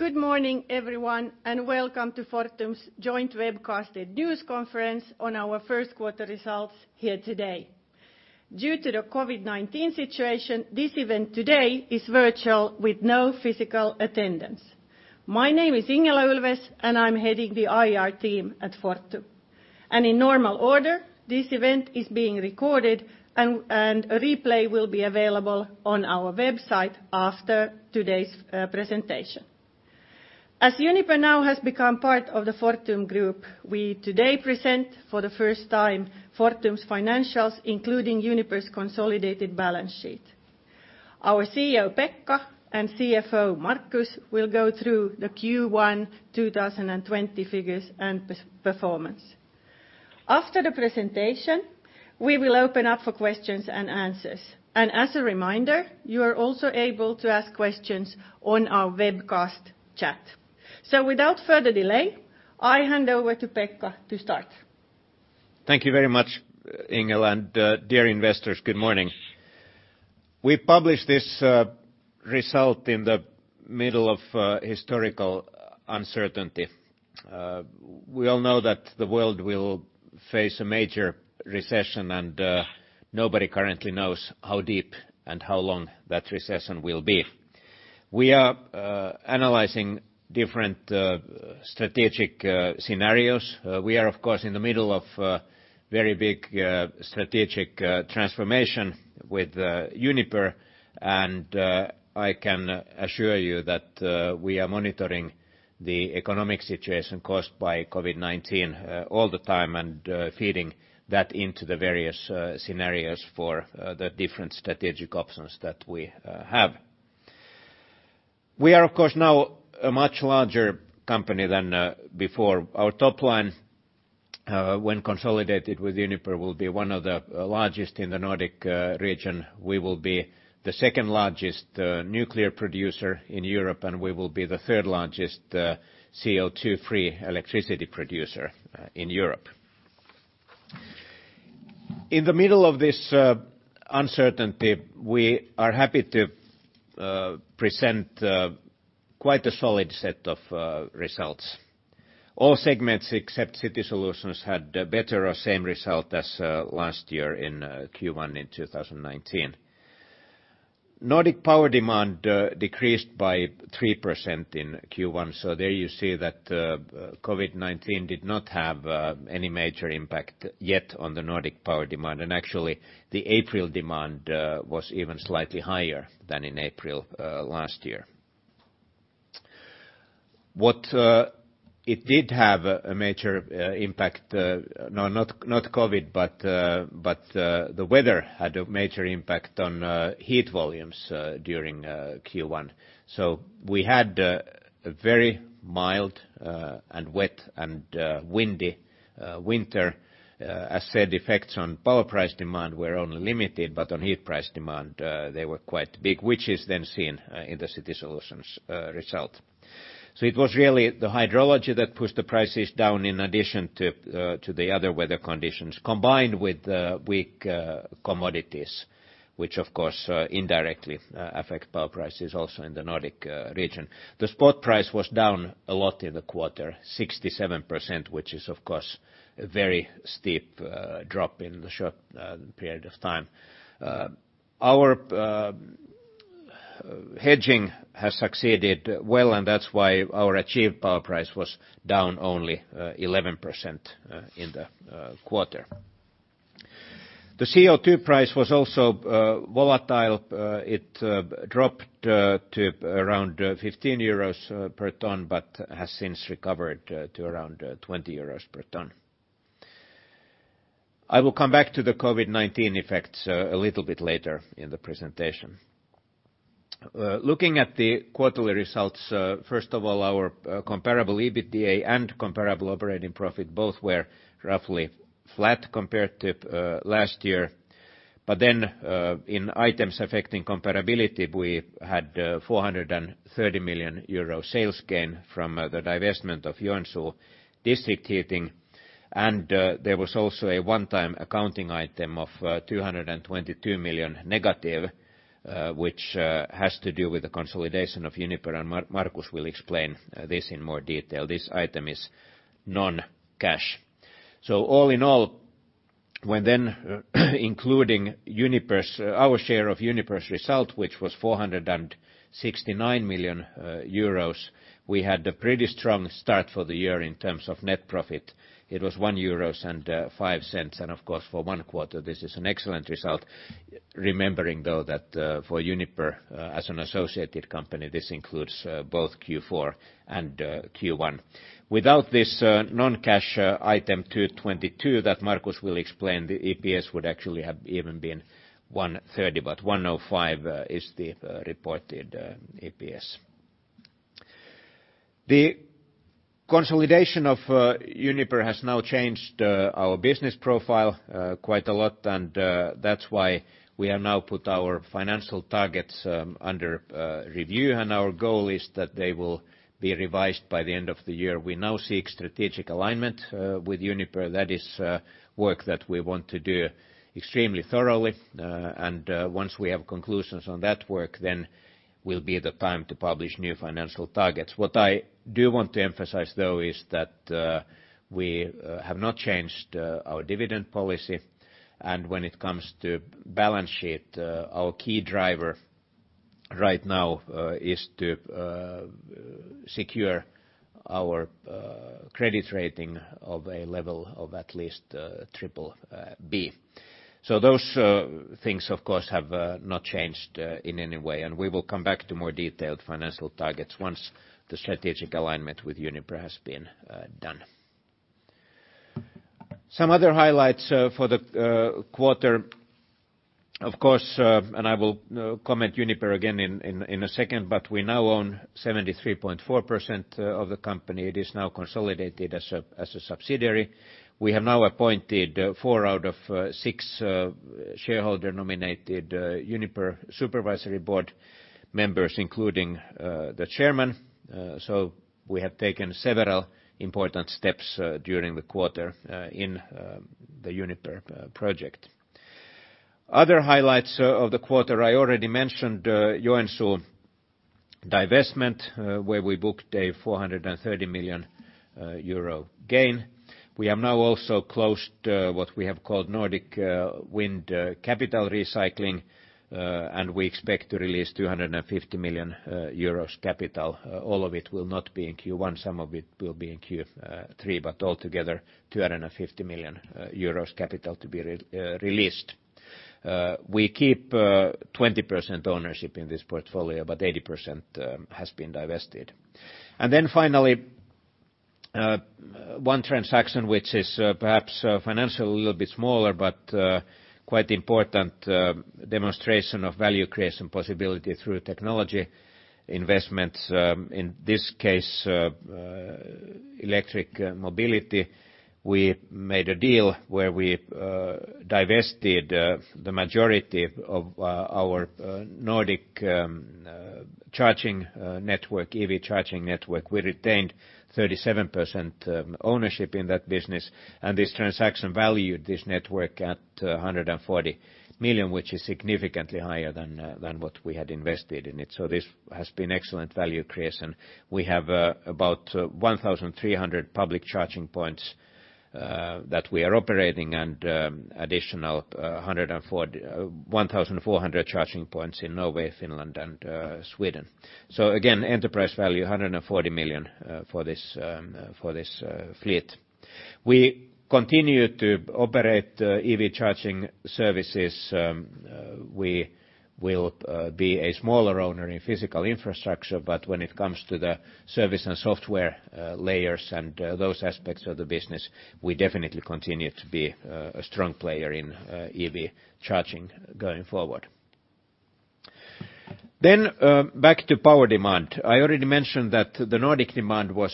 Good morning, everyone, and welcome to Fortum's joint webcast and news conference on our first quarter results here today. Due to the COVID-19 situation, this event today is virtual with no physical attendance. My name is Ingela Ulfves, and I'm heading the IR team at Fortum. In normal order, this event is being recorded and a replay will be available on our website after today's presentation. As Uniper now has become part of the Fortum group, we today present for the first time Fortum's financials, including Uniper's consolidated balance sheet. Our CEO, Pekka, and CFO, Markus, will go through the Q1 2020 figures and performance. After the presentation, we will open up for questions and answers. As a reminder, you are also able to ask questions on our webcast chat. Without further delay, I hand over to Pekka to start. Thank you very much, Ingela. Dear investors, good morning. We published this result in the middle of historical uncertainty. We all know that the world will face a major recession. Nobody currently knows how deep and how long that recession will be. We are analyzing different strategic scenarios. We are, of course, in the middle of a very big strategic transformation with Uniper. I can assure you that we are monitoring the economic situation caused by COVID-19 all the time and feeding that into the various scenarios for the different strategic options that we have. We are, of course, now a much larger company than before. Our top line, when consolidated with Uniper, will be one of the largest in the Nordic region. We will be the second-largest nuclear producer in Europe. We will be the third-largest CO2-free electricity producer in Europe. In the middle of this uncertainty, we are happy to present quite a solid set of results. All segments, except City Solutions, had a better or same result as last year in Q1 in 2019. Nordic power demand decreased by 3% in Q1. There you see that COVID-19 did not have any major impact yet on the Nordic power demand. Actually, the April demand was even slightly higher than in April last year. No, not COVID, but the weather had a major impact on heat volumes during Q1. We had a very mild and wet and windy winter. As said, effects on power price demand were only limited, but on heat price demand they were quite big, which is then seen in the City Solutions result. It was really the hydrology that pushed the prices down in addition to the other weather conditions, combined with weak commodities, which, of course, indirectly affect power prices also in the Nordic region. The spot price was down a lot in the quarter, 67%, which is, of course, a very steep drop in the short period of time. Our hedging has succeeded well, and that's why our achieved power price was down only 11% in the quarter. The CO2 price was also volatile. It dropped to around 15 euros per ton, but has since recovered to around 20 euros per ton. I will come back to the COVID-19 effects a little bit later in the presentation. Looking at the quarterly results, first of all, our comparable EBITDA and comparable operating profit both were roughly flat compared to last year. In items affecting comparability, we had a 430 million euro sales gain from the divestment of Joensuu District Heating, there was also a one-time accounting item of 222 million negative, which has to do with the consolidation of Uniper, and Markus will explain this in more detail. This item is non-cash. All in all, when then including our share of Uniper's result, which was 469 million euros, we had a pretty strong start for the year in terms of net profit. It was 1.05 euros. Of course, for one quarter, this is an excellent result, remembering though that for Uniper, as an associated company, this includes both Q4 and Q1. Without this non-cash item, 222, that Markus will explain, the EPS would actually have even been 1.30, but 1.05 is the reported EPS. The consolidation of Uniper has now changed our business profile quite a lot. That's why we have now put our financial targets under review. Our goal is that they will be revised by the end of the year. We now seek strategic alignment with Uniper. That is work that we want to do extremely thoroughly. Once we have conclusions on that work, then will be the time to publish new financial targets. What I do want to emphasize, though, is that we have not changed our dividend policy. When it comes to balance sheet, our key driver right now is to secure our credit rating of a level of at least BBB. Those things, of course, have not changed in any way. We will come back to more detailed financial targets once the strategic alignment with Uniper has been done. Some other highlights for the quarter, of course, and I will comment Uniper again in a second, but we now own 73.4% of the company. It is now consolidated as a subsidiary. We have now appointed 4 out of 6 shareholder-nominated Uniper supervisory board members, including the chairman. We have taken several important steps during the quarter in the Uniper project. Other highlights of the quarter, I already mentioned Joensuu divestment, where we booked a 430 million euro gain. We have now also closed what we have called Nordic Wind capital recycling, and we expect to release 250 million euros capital. All of it will not be in Q1. Some of it will be in Q3, but altogether, 250 million euros capital to be released. We keep 20% ownership in this portfolio, but 80% has been divested. Finally, one transaction, which is perhaps financially a little bit smaller, but quite important demonstration of value creation possibility through technology investments, in this case, electric mobility. We made a deal where we divested the majority of our Nordic charging network, EV charging network. We retained 37% ownership in that business, this transaction valued this network at 140 million, which is significantly higher than what we had invested in it. This has been excellent value creation. We have about 1,300 public charging points that we are operating, additional 1,400 charging points in Norway, Finland, and Sweden. Again, enterprise value, 140 million for this fleet. We continue to operate EV charging services. We will be a smaller owner in physical infrastructure, but when it comes to the service and software layers and those aspects of the business, we definitely continue to be a strong player in EV charging going forward. Back to power demand. I already mentioned that the Nordic demand was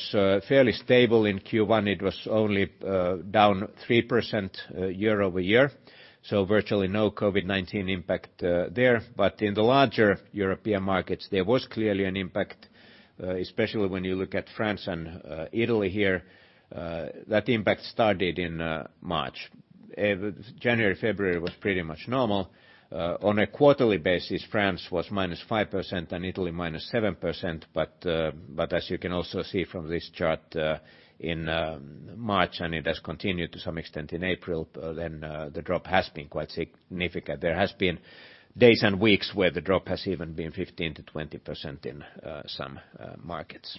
fairly stable in Q1. It was only down 3% year-over-year, virtually no COVID-19 impact there. In the larger European markets, there was clearly an impact, especially when you look at France and Italy here. That impact started in March. January, February was pretty much normal. On a quarterly basis, France was -5% and Italy -7%, but as you can also see from this chart, in March, and it has continued to some extent in April, then the drop has been quite significant. There has been days and weeks where the drop has even been 15%-20% in some markets.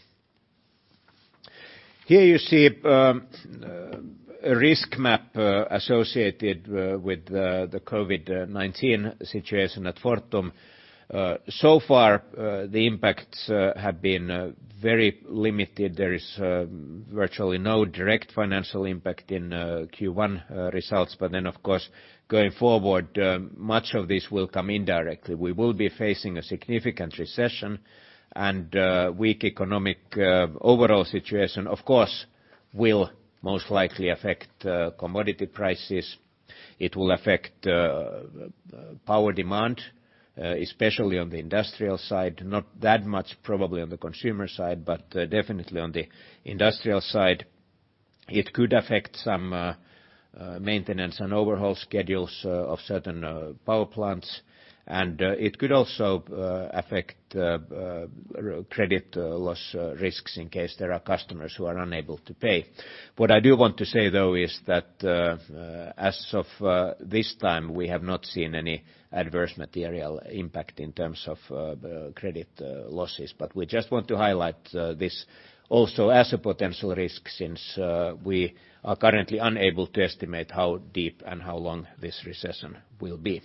Here you see a risk map associated with the COVID-19 situation at Fortum. So far, the impacts have been very limited. There is virtually no direct financial impact in Q1 results, but then, of course, going forward, much of this will come indirectly. We will be facing a significant recession, and weak economic overall situation, of course, will most likely affect commodity prices. It will affect power demand, especially on the industrial side. Not that much probably on the consumer side, but definitely on the industrial side. It could affect some maintenance and overhaul schedules of certain power plants, and it could also affect credit loss risks in case there are customers who are unable to pay. What I do want to say, though, is that as of this time, we have not seen any adverse material impact in terms of credit losses. We just want to highlight this also as a potential risk, since we are currently unable to estimate how deep and how long this recession will be.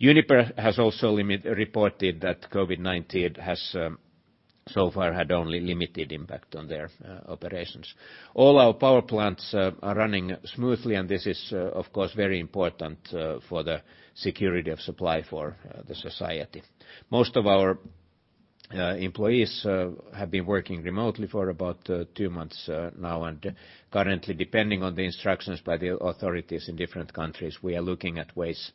Uniper has also reported that COVID-19 has so far had only limited impact on their operations. All our power plants are running smoothly, and this is, of course, very important for the security of supply for the society. Most of our employees have been working remotely for about two months now, and currently, depending on the instructions by the authorities in different countries, we are looking at ways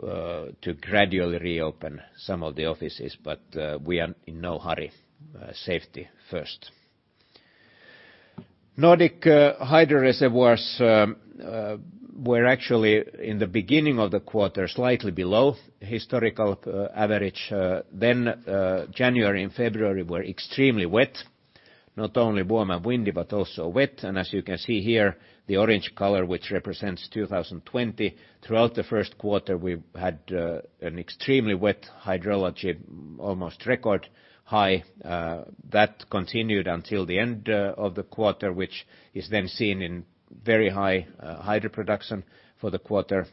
to gradually reopen some of the offices, but we are in no hurry. Safety first. Nordic hydro reservoirs were actually in the beginning of the quarter, slightly below historical average. January and February were extremely wet. Not only warm and windy, but also wet. As you can see here, the orange color, which represents 2020, throughout the first quarter, we had an extremely wet hydrology, almost record high. That continued until the end of the quarter, which is then seen in very high hydro production for the quarter.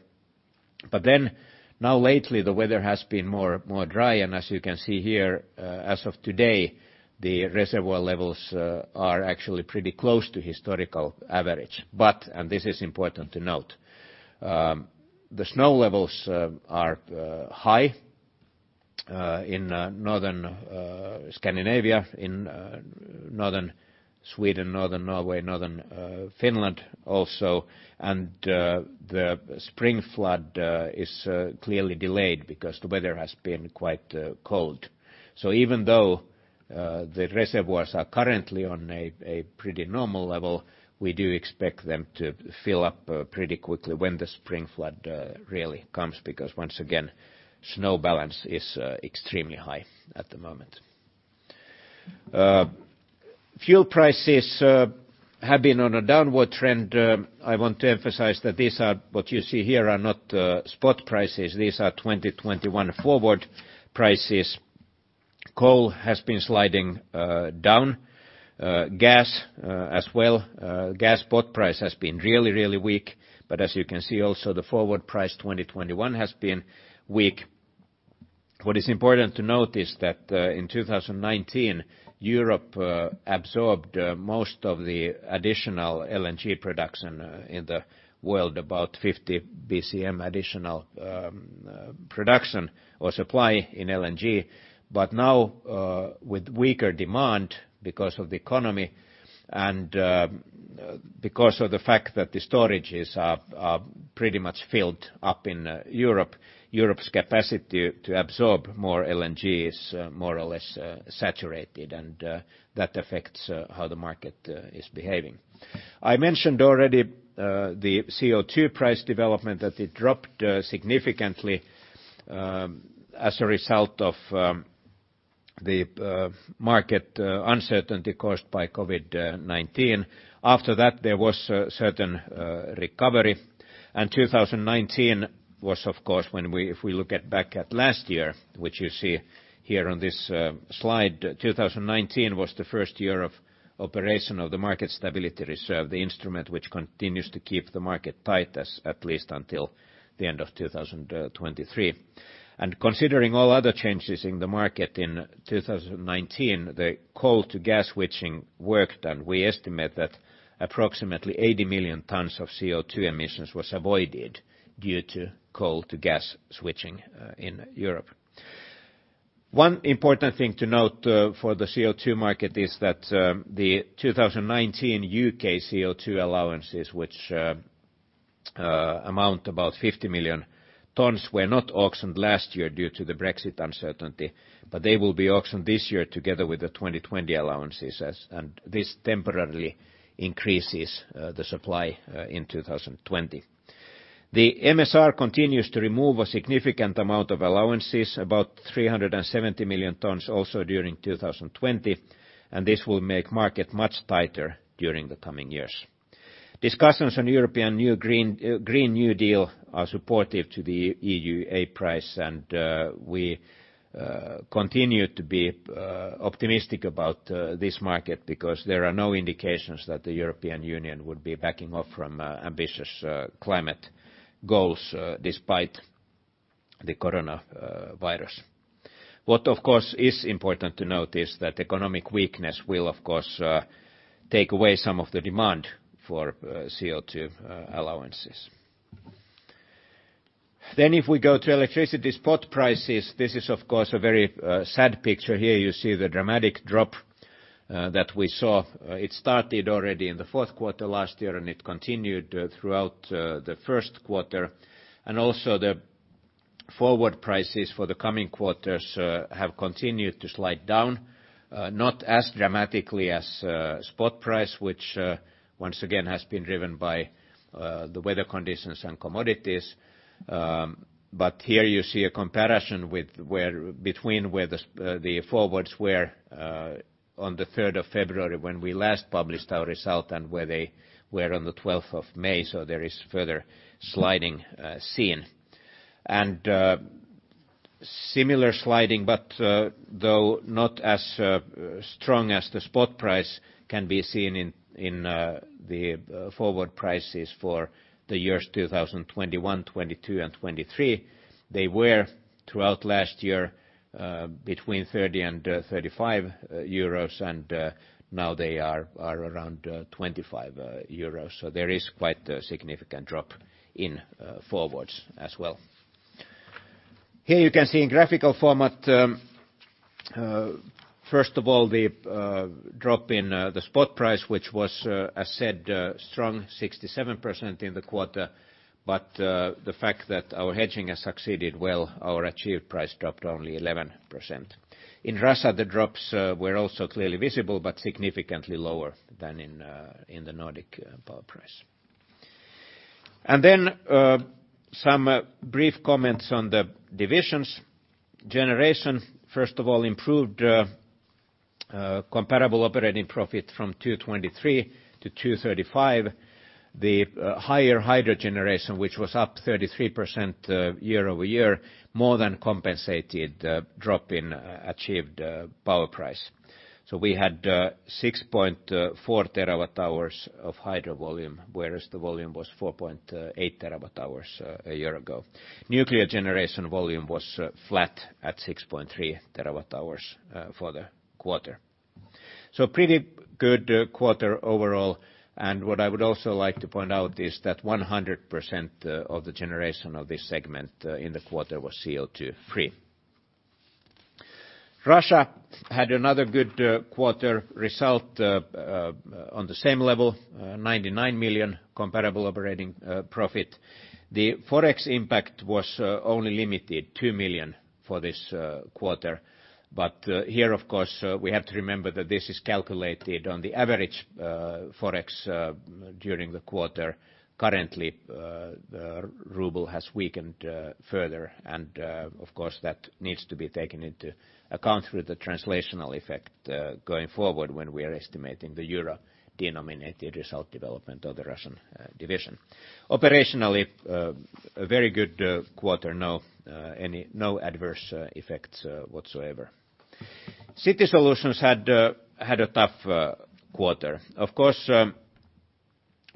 Now lately, the weather has been more dry, and as you can see here, as of today, the reservoir levels are actually pretty close to historical average. This is important to note, the snow levels are high in northern Scandinavia, in northern Sweden, northern Norway, northern Finland also, and the spring flood is clearly delayed because the weather has been quite cold. Even though the reservoirs are currently on a pretty normal level, we do expect them to fill up pretty quickly when the spring flood really comes because, once again, snow balance is extremely high at the moment. Fuel prices have been on a downward trend. I want to emphasize that what you see here are not spot prices, these are 2021 forward prices. Coal has been sliding down. Gas as well. Gas spot price has been really, really weak. As you can see, also, the forward price 2021 has been weak. What is important to note is that in 2019, Europe absorbed most of the additional LNG production in the world, about 50 bcm additional production or supply in LNG. Now, with weaker demand because of the economy and because of the fact that the storages are pretty much filled up in Europe's capacity to absorb more LNG is more or less saturated, and that affects how the market is behaving. I mentioned already the CO2 price development, that it dropped significantly as a result of the market uncertainty caused by COVID-19. After that, there was a certain recovery, and 2019 was, of course, if we look back at last year, which you see here on this slide, 2019 was the first year of operation of the Market Stability Reserve, the instrument which continues to keep the market tight at least until the end of 2023. Considering all other changes in the market in 2019, the coal to gas switching worked, and we estimate that approximately 80 million tons of CO2 emissions was avoided due to coal to gas switching in Europe. One important thing to note for the CO2 market is that the 2019 U.K. CO2 allowances, which amount about 50 million tons, were not auctioned last year due to the Brexit uncertainty. They will be auctioned this year together with the 2020 allowances, this temporarily increases the supply in 2020. The MSR continues to remove a significant amount of allowances, about 370 million tons also during 2020. This will make market much tighter during the coming years. Discussions on European Green Deal are supportive to the EUA price, and we continue to be optimistic about this market because there are no indications that the European Union would be backing off from ambitious climate goals despite the coronavirus. What, of course, is important to note is that economic weakness will, of course, take away some of the demand for CO2 allowances. If we go to electricity spot prices, this is, of course, a very sad picture. Here you see the dramatic drop that we saw. It started already in the fourth quarter last year, and it continued throughout the first quarter. Also the forward prices for the coming quarters have continued to slide down, not as dramatically as spot price, which, once again, has been driven by the weather conditions and commodities. Here you see a comparison between where the forwards were on the 3rd of February when we last published our result and where they were on the 12th of May, so there is further sliding seen. Similar sliding, but though not as strong as the spot price, can be seen in the forward prices for the years 2021, 2022, and 2023. They were, throughout last year, between 30 and 35 euros, and now they are around 25 euros. There is quite a significant drop in forwards as well. Here you can see in graphical format, first of all, the drop in the spot price, which was, as said, strong, 67% in the quarter. The fact that our hedging has succeeded well, our achieved price dropped only 11%. In Russia, the drops were also clearly visible, but significantly lower than in the Nordic power price. Some brief comments on the divisions. Generation, first of all, improved comparable operating profit from 223 to 235. The higher hydro generation, which was up 33% year-over-year, more than compensated drop in achieved power price. We had 6.4 terawatt hours of hydro volume, whereas the volume was 4.8 terawatt hours a year ago. Nuclear generation volume was flat at 6.3 terawatt hours for the quarter. Pretty good quarter overall. What I would also like to point out is that 100% of the generation of this segment, in the quarter, was CO2 free. Russia had another good quarter result on the same level, 99 million comparable operating profit. The Forex impact was only limited 2 million for this quarter. Here, of course, we have to remember that this is calculated on the average Forex during the quarter. Currently, the RUB has weakened further. Of course, that needs to be taken into account through the translational effect, going forward when we are estimating the EUR-denominated result development of the Russian division. Operationally, a very good quarter. No adverse effects whatsoever. City Solutions had a tough quarter. Of course,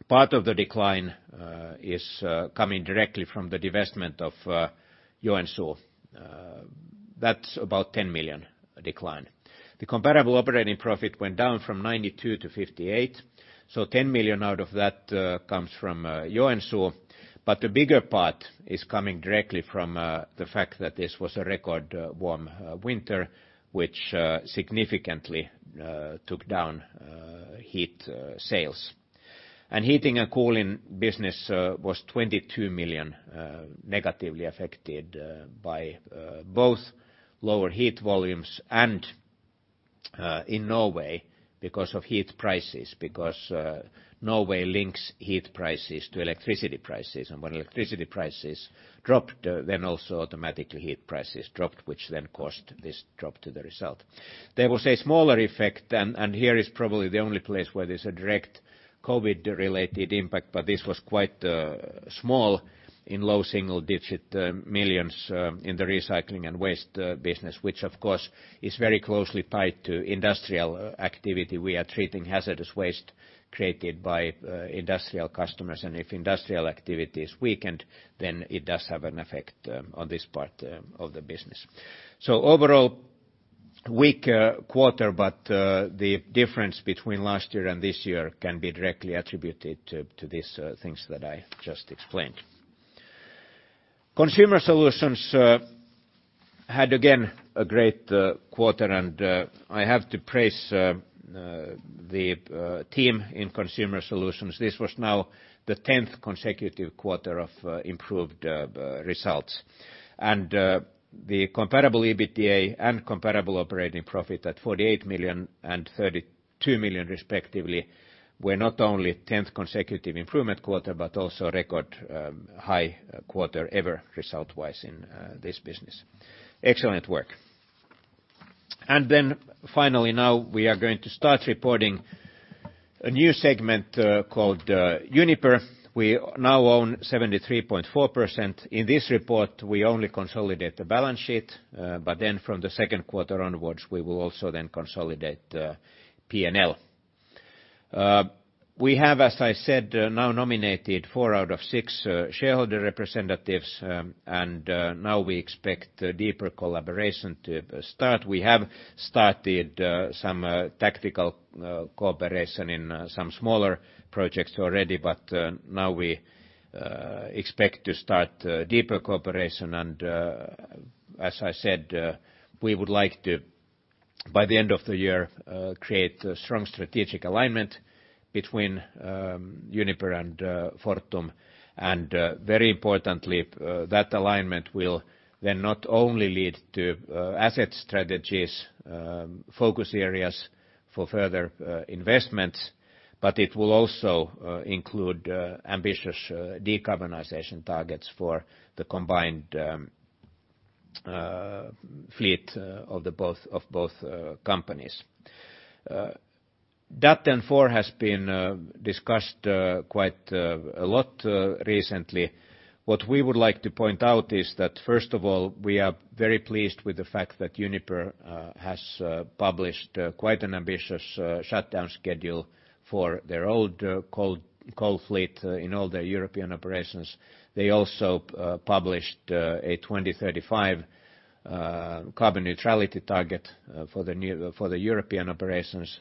part of the decline is coming directly from the divestment of Joensuu. That's about 10 million decline. The comparable operating profit went down from 92 to 58. 10 million out of that comes from Joensuu. The bigger part is coming directly from the fact that this was a record warm winter, which significantly took down heat sales. Heating and cooling business was 22 million, negatively affected by both lower heat volumes and in Norway because of heat prices, because Norway links heat prices to electricity prices. When electricity prices dropped, then also automatically heat prices dropped, which then caused this drop to the result. There was a smaller effect, and here is probably the only place where there's a direct COVID-19-related impact, but this was quite small, in low single-digit millions in the Recycling and Waste business, which of course is very closely tied to industrial activity. We are treating hazardous waste created by industrial customers, and if industrial activity is weakened, then it does have an effect on this part of the business. Overall, weaker quarter, but the difference between last year and this year can be directly attributed to these things that I just explained. Consumer Solutions had, again, a great quarter, and I have to praise the team in Consumer Solutions. This was now the 10th consecutive quarter of improved results. The comparable EBITDA and comparable operating profit at 48 million and 32 million respectively were not only 10th consecutive improvement quarter, but also a record high quarter ever result-wise in this business. Excellent work. Finally, now we are going to start reporting a new segment called Uniper. We now own 73.4%. In this report, we only consolidate the balance sheet, but then from the second quarter onwards, we will also then consolidate P&L. We have, as I said, now nominated four out of six shareholder representatives, and now we expect deeper collaboration to start. We have started some tactical cooperation in some smaller projects already, now we expect to start deeper cooperation and, as I said, we would like to, by the end of the year, create a strong strategic alignment between Uniper and Fortum. Very importantly, that alignment will then not only lead to asset strategies, focus areas for further investments, but it will also include ambitious decarbonization targets for the combined fleet of both companies. Datteln 4 has been discussed quite a lot recently. What we would like to point out is that, first of all, we are very pleased with the fact that Uniper has published quite an ambitious shutdown schedule for their old coal fleet in all their European operations. They also published a 2035 carbon neutrality target for the European operations,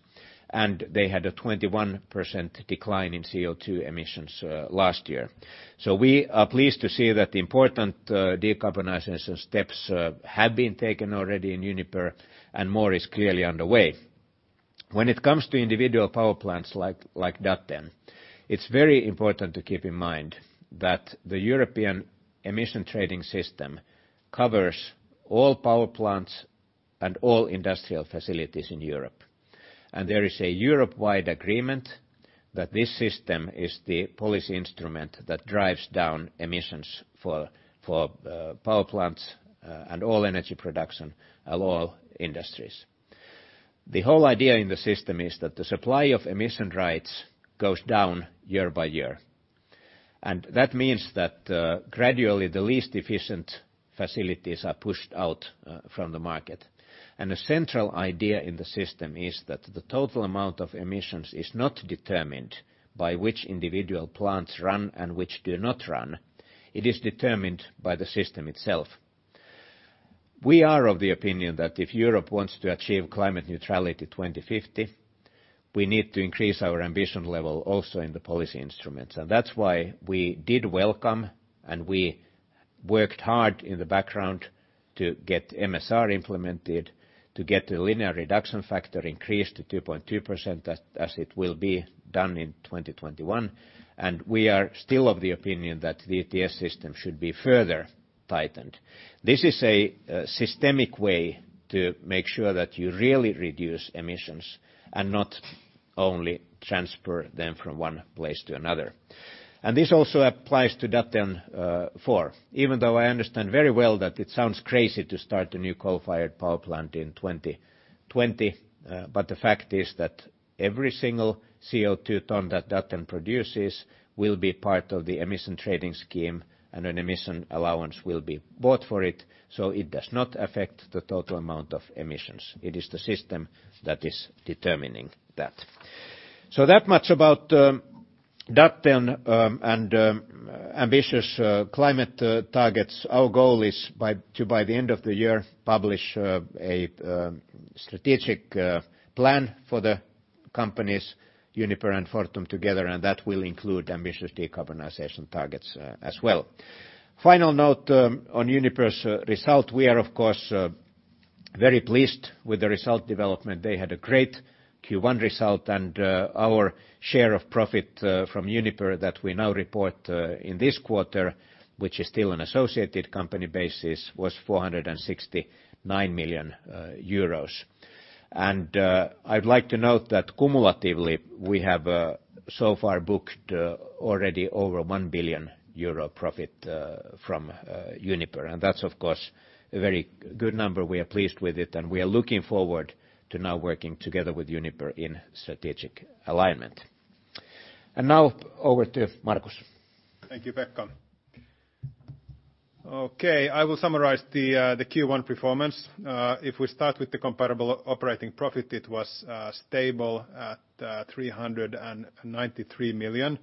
they had a 21% decline in CO2 emissions last year. We are pleased to see that the important decarbonization steps have been taken already in Uniper and more is clearly underway. When it comes to individual power plants like Datteln, it's very important to keep in mind that the European Emissions Trading System covers all power plants and all industrial facilities in Europe. There is a Europe-wide agreement that this system is the policy instrument that drives down emissions for power plants and all energy production and all industries. The whole idea in the system is that the supply of emission rights goes down year by year. That means that gradually, the least efficient facilities are pushed out from the market. The central idea in the system is that the total amount of emissions is not determined by which individual plants run and which do not run. It is determined by the system itself. We are of the opinion that if Europe wants to achieve climate neutrality 2050, we need to increase our ambition level also in the policy instruments. That's why we did welcome, and we worked hard in the background to get MSR implemented, to get the linear reduction factor increased to 2.2% as it will be done in 2021. We are still of the opinion that the ETS system should be further tightened. This is a systemic way to make sure that you really reduce emissions and not only transfer them from one place to another. This also applies to Datteln 4, even though I understand very well that it sounds crazy to start a new coal-fired power plant in 2020. The fact is that every single CO2 ton that Datteln produces will be part of the emission trading scheme and an emission allowance will be bought for it, so it does not affect the total amount of emissions. It is the system that is determining that. That much about Datteln and ambitious climate targets. Our goal is to, by the end of the year, publish a strategic plan for the companies, Uniper and Fortum together, and that will include ambitious decarbonization targets as well. Final note on Uniper's result, we are of course very pleased with the result development. They had a great Q1 result and our share of profit from Uniper that we now report in this quarter, which is still an associated company basis, was 469 million euros. I'd like to note that cumulatively, we have so far booked already over 1 billion euro profit from Uniper. That's of course a very good number. We are pleased with it. We are looking forward to now working together with Uniper in strategic alignment. Now over to Markus. Thank you, Pekka. I will summarize the Q1 performance. If we start with the comparable operating profit, it was stable at 393 million.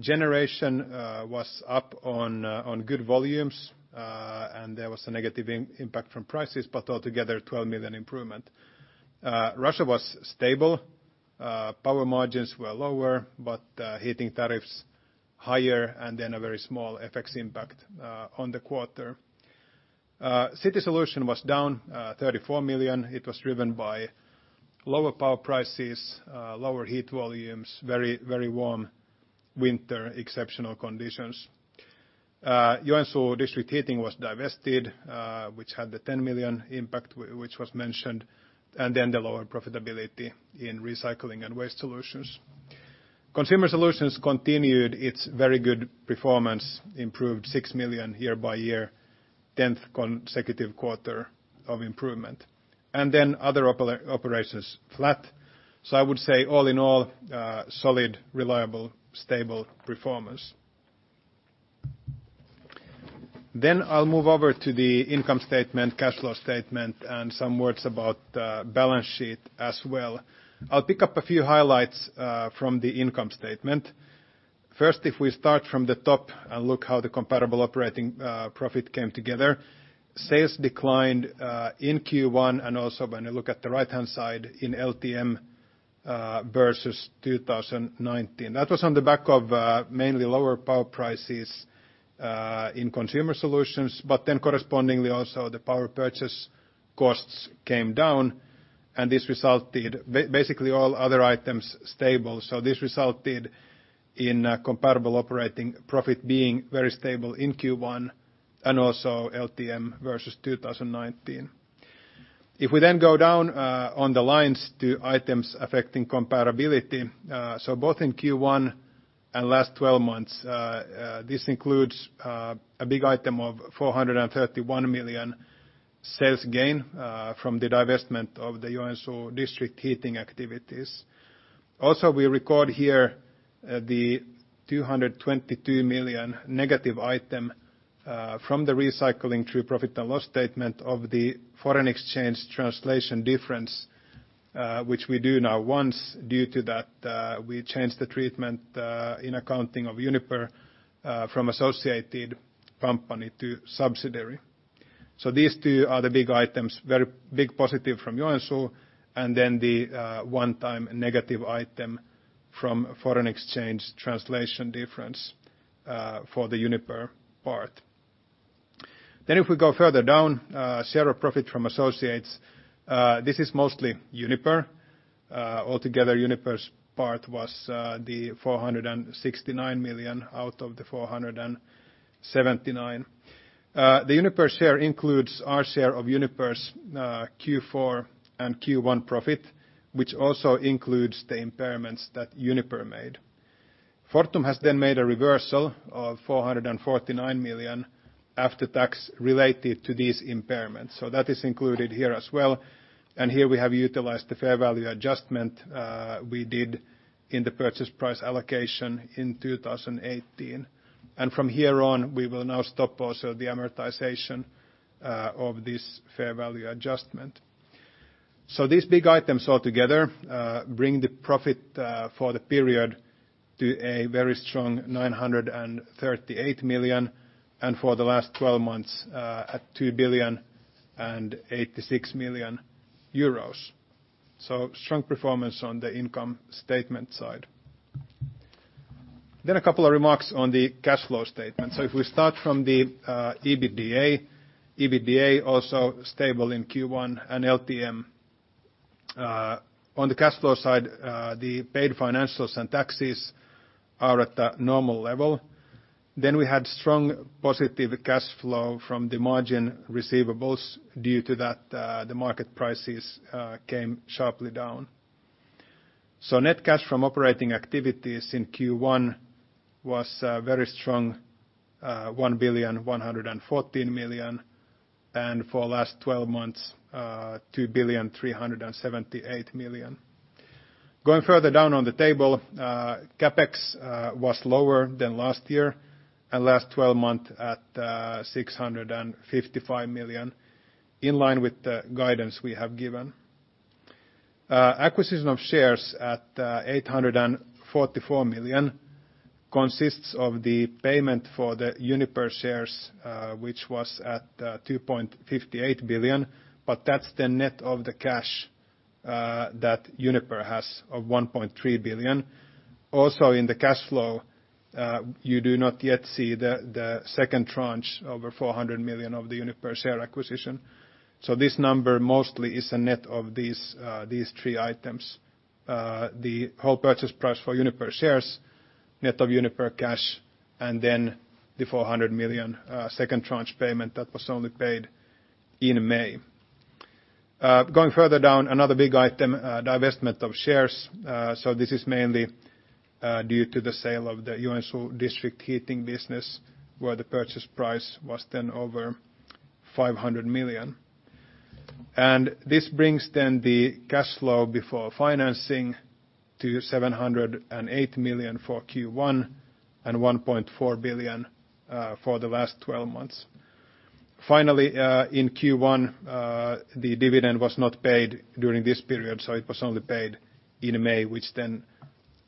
Generation was up on good volumes, there was a negative impact from prices, altogether, 12 million improvement. Russia was stable. Power margins were lower, heating tariffs higher, a very small FX impact on the quarter. City Solutions was down 34 million. It was driven by lower power prices, lower heat volumes, very warm winter, exceptional conditions. Joensuu district heating was divested, which had the 10 million impact, which was mentioned, the lower profitability in Recycling and Waste Solutions. Consumer Solutions continued its very good performance, improved 6 million year-over-year, 10th consecutive quarter of improvement. Other operations flat. I would say all in all, solid, reliable, stable performance. I'll move over to the income statement, cash flow statement, and some words about the balance sheet as well. I'll pick up a few highlights from the income statement. First, if we start from the top and look how the comparable operating profit came together, sales declined in Q1 and also when you look at the right-hand side, in LTM versus 2019. That was on the back of mainly lower power prices in Consumer Solutions, correspondingly also the power purchase costs came down and this resulted basically all other items stable. This resulted in comparable operating profit being very stable in Q1 and also LTM versus 2019. If we then go down on the lines to items affecting comparability, so both in Q1 and last 12 months, this includes a big item of 431 million sales gain from the divestment of the Joensuu district heating activities. We record here the 222 million negative item from the recycling through P&L statement of the FX translation difference, which we do now once due to that we changed the treatment in accounting of Uniper from associated company to subsidiary. These two are the big items, very big positive from Joensuu and then the one-time negative item from FX translation difference for the Uniper part. If we go further down, share of profit from associates, this is mostly Uniper. Altogether, Uniper's part was the 469 million out of the 479 million. The Uniper share includes our share of Uniper's Q4 and Q1 profit, which also includes the impairments that Uniper made. Fortum has then made a reversal of 449 million after tax related to these impairments. That is included here as well. Here we have utilized the fair value adjustment we did in the purchase price allocation in 2018. From here on, we will now stop also the amortization of this fair value adjustment. These big items all together bring the profit for the period to a very strong 938 million, and for the last 12 months at 2 billion and 86 million euros. Strong performance on the income statement side. A couple of remarks on the cash flow statement. If we start from the EBITDA. EBITDA also stable in Q1 and LTM. On the cash flow side, the paid financials and taxes are at the normal level. We had strong positive cash flow from the margin receivables due to that the market prices came sharply down. Net cash from operating activities in Q1 was a very strong 1,114 million, and for last 12 months, 2,378 million. Going further down on the table, CapEx was lower than last year and last 12 month at 655 million, in line with the guidance we have given. Acquisition of shares at 844 million consists of the payment for the Uniper shares, which was at 2.58 billion, but that's the net of the cash that Uniper has of 1.3 billion. Also, in the cash flow, you do not yet see the second tranche over 400 million of the Uniper share acquisition. This number mostly is a net of these three items. The whole purchase price for Uniper shares, net of Uniper cash, and then the 400 million second tranche payment that was only paid in May. Going further down, another big item, divestment of shares. This is mainly due to the sale of the Joensuu district heating business, where the purchase price was then over 500 million. This brings then the cash flow before financing to 708 million for Q1 and 1.4 billion for the last 12 months. Finally, in Q1 the dividend was not paid during this period, so it was only paid in May, which then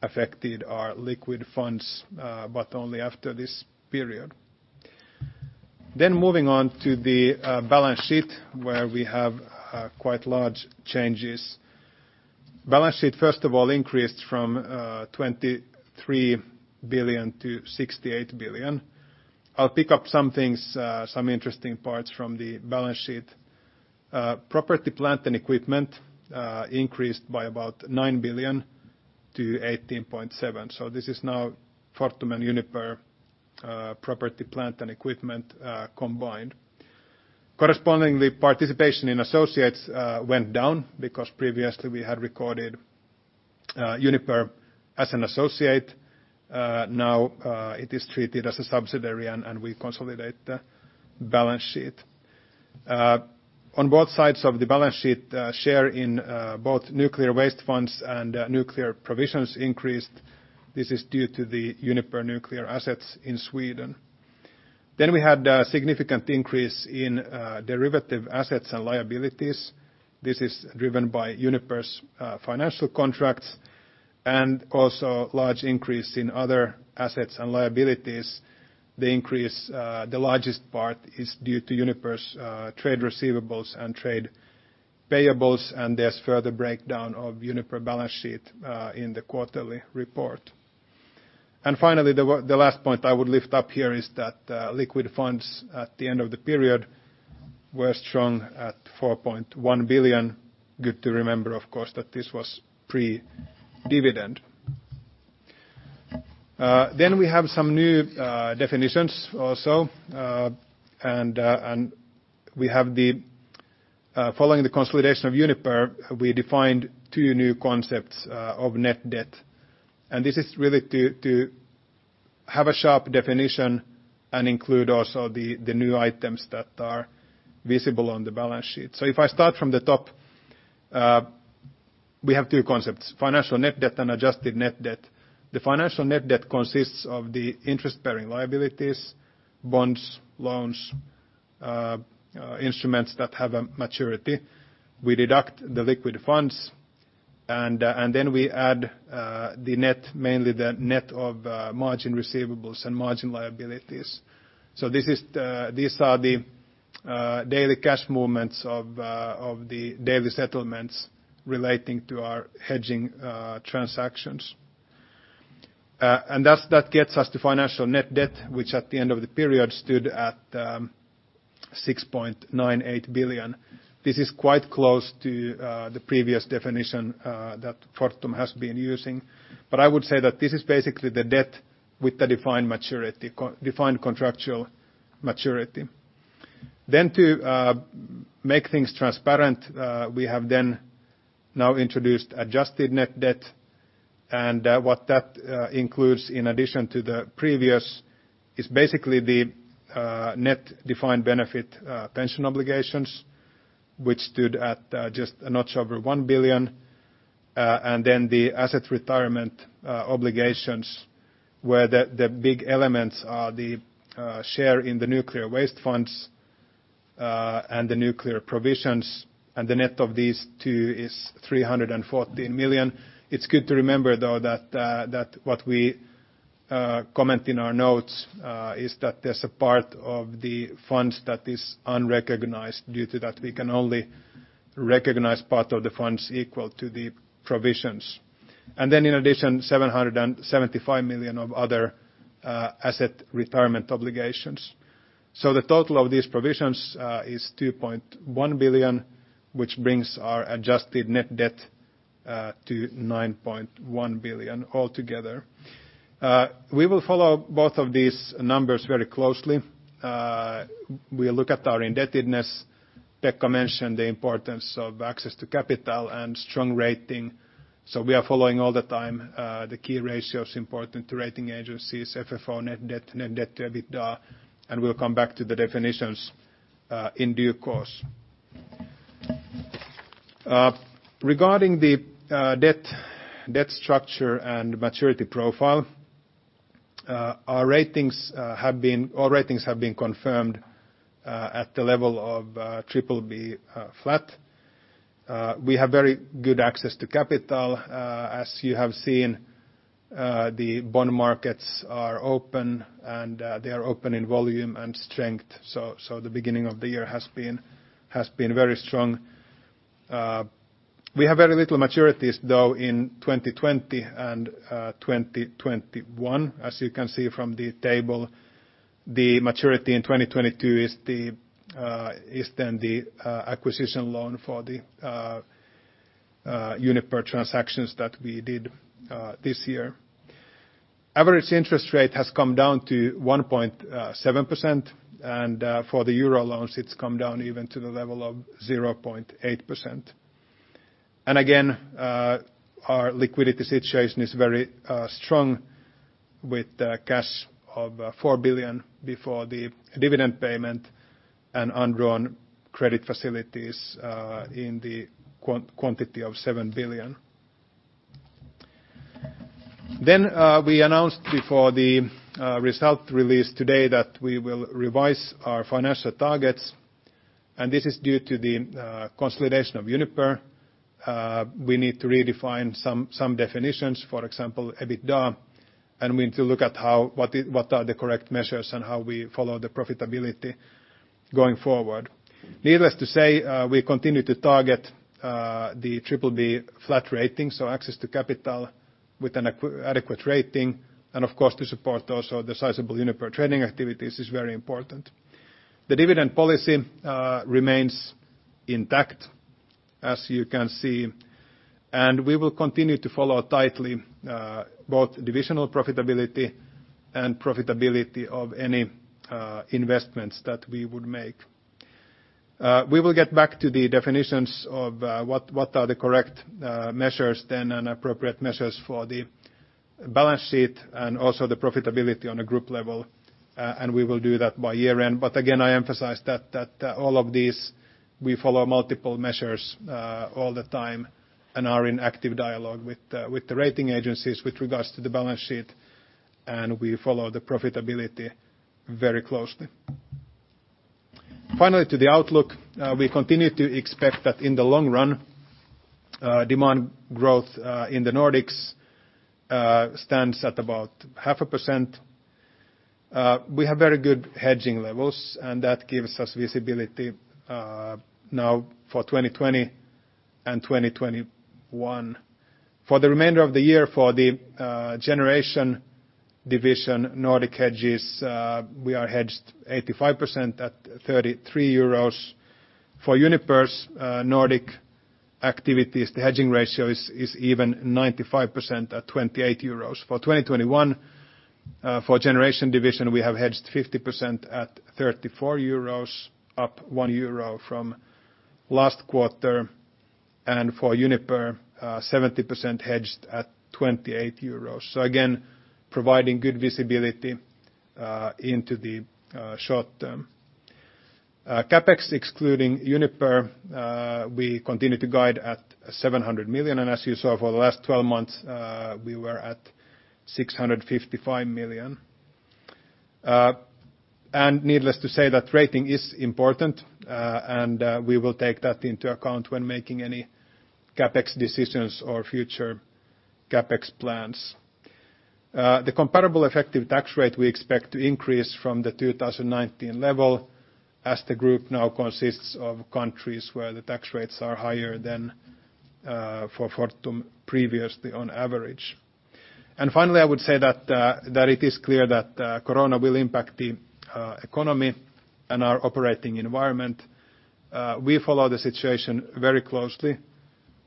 affected our liquid funds, but only after this period. Moving on to the balance sheet, where we have quite large changes. Balance sheet, first of all, increased from 23 billion to 68 billion. I'll pick up some things, some interesting parts from the balance sheet. Property, plant, and equipment increased by about 9 billion to 18.7 billion. This is now Fortum and Uniper property, plant, and equipment combined. Correspondingly, participation in associates went down because previously we had recorded Uniper as an associate. It is treated as a subsidiary, and we consolidate the balance sheet. On both sides of the balance sheet, share in both nuclear waste funds and nuclear provisions increased. This is due to the Uniper nuclear assets in Sweden. We had a significant increase in derivative assets and liabilities. This is driven by Uniper's financial contracts and also large increase in other assets and liabilities. The increase, the largest part is due to Uniper's trade receivables and trade payables, and there's further breakdown of Uniper balance sheet in the quarterly report. Finally, the last point I would lift up here is that liquid funds at the end of the period were strong at 4.1 billion. Good to remember, of course, that this was pre-dividend. We have some new definitions also. Following the consolidation of Uniper, we defined two new concepts of net debt, and this is really to have a sharp definition and include also the new items that are visible on the balance sheet. If I start from the top, we have two concepts, financial net debt and adjusted net debt. The financial net debt consists of the interest-bearing liabilities, bonds, loans, instruments that have a maturity. We deduct the liquid funds, and then we add the net, mainly the net of margin receivables and margin liabilities. These are the daily cash movements of the daily settlements relating to our hedging transactions. That gets us to financial net debt, which at the end of the period stood at 6.98 billion. This is quite close to the previous definition that Fortum has been using, but I would say that this is basically the debt with the defined contractual maturity. To make things transparent, we have then now introduced adjusted net debt and what that includes, in addition to the previous, is basically the net-defined benefit pension obligations, which stood at just a notch over 1 billion. The asset retirement obligations where the big elements are the share in the nuclear waste funds, and the nuclear provisions, and the net of these two is 314 million. It's good to remember, though, that what we comment in our notes, is that there's a part of the funds that is unrecognized due to that we can only recognize part of the funds equal to the provisions. In addition, 775 million of other asset retirement obligations. The total of these provisions is 2.1 billion, which brings our adjusted net debt to 9.1 billion altogether. We will follow both of these numbers very closely. We'll look at our indebtedness. Pekka mentioned the importance of access to capital and strong rating, so we are following all the time the key ratios important to rating agencies, FFO, net debt, net debt to EBITDA, and we'll come back to the definitions in due course. Regarding the debt structure and maturity profile, our ratings have been confirmed at the level of BBB flat. We have very good access to capital. As you have seen, the bond markets are open and they are open in volume and strength, so the beginning of the year has been very strong. We have very little maturities though, in 2020 and 2021. As you can see from the table, the maturity in 2022 is then the acquisition loan for the Uniper transactions that we did this year. Average interest rate has come down to 1.7%, and for the EUR loans, it's come down even to the level of 0.8%. Again, our liquidity situation is very strong with cash of 4 billion before the dividend payment and undrawn credit facilities in the quantity of 7 billion. We announced before the result release today that we will revise our financial targets, and this is due to the consolidation of Uniper. We need to redefine some definitions, for example, EBITDA, and we need to look at what are the correct measures and how we follow the profitability going forward. Needless to say, we continue to target the BBB flat rating. Access to capital with an adequate rating, and of course, to support also the sizable Uniper trading activities is very important. The dividend policy remains intact, as you can see. We will continue to follow tightly both divisional profitability and profitability of any investments that we would make. We will get back to the definitions of what are the correct measures then, and appropriate measures for the balance sheet and also the profitability on a group level. We will do that by year-end. Again, I emphasize that all of these, we follow multiple measures all the time and are in active dialogue with the rating agencies with regards to the balance sheet. We follow the profitability very closely. Finally, to the outlook. We continue to expect that in the long run, demand growth in the Nordics stands at about 0.5%. We have very good hedging levels and that gives us visibility now for 2020 and 2021. For the remainder of the year for the Generation division, Nordic hedges, we are hedged 85% at 33 euros. For Uniper's Nordic activities, the hedging ratio is even 95% at 28 euros. For 2021, for Generation division, we have hedged 50% at 34 euros, up 1 euro from last quarter, and for Uniper, 70% hedged at 28 euros. Again, providing good visibility into the short term. CapEx excluding Uniper, we continue to guide at 700 million, and as you saw for the last 12 months, we were at 655 million. Needless to say, that rating is important, and we will take that into account when making any CapEx decisions or future CapEx plans. The comparable effective tax rate we expect to increase from the 2019 level. As the group now consists of countries where the tax rates are higher than for Fortum previously on average. Finally, I would say that it is clear that corona will impact the economy and our operating environment. We follow the situation very closely,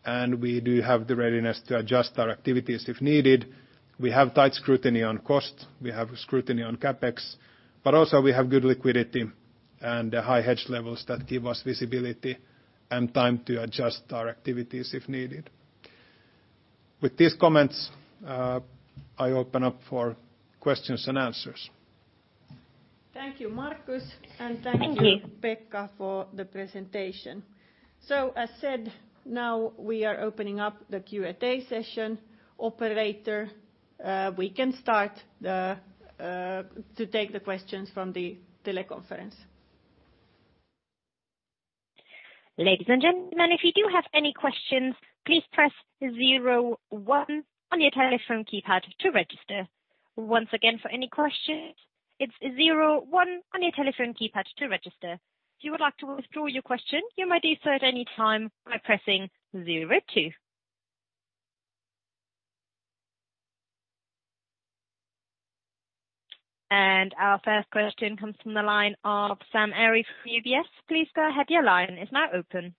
and we do have the readiness to adjust our activities if needed. We have tight scrutiny on cost, we have scrutiny on CapEx, but also we have good liquidity and high hedge levels that give us visibility and time to adjust our activities if needed. With these comments, I open up for questions and answers. Thank you, Markus. Thank you. Pekka, for the presentation. As said, now we are opening up the Q&A session. Operator, we can start to take the questions from the teleconference. Ladies and gentlemen, if you do have any questions, please press zero one on your telephone keypad to register. Once again, for any questions, it's zero one on your telephone keypad to register. If you would like to withdraw your question, you may do so at any time by pressing zero two. Our first question comes from the line of Sam Arie from UBS. Please go ahead, your line is now open.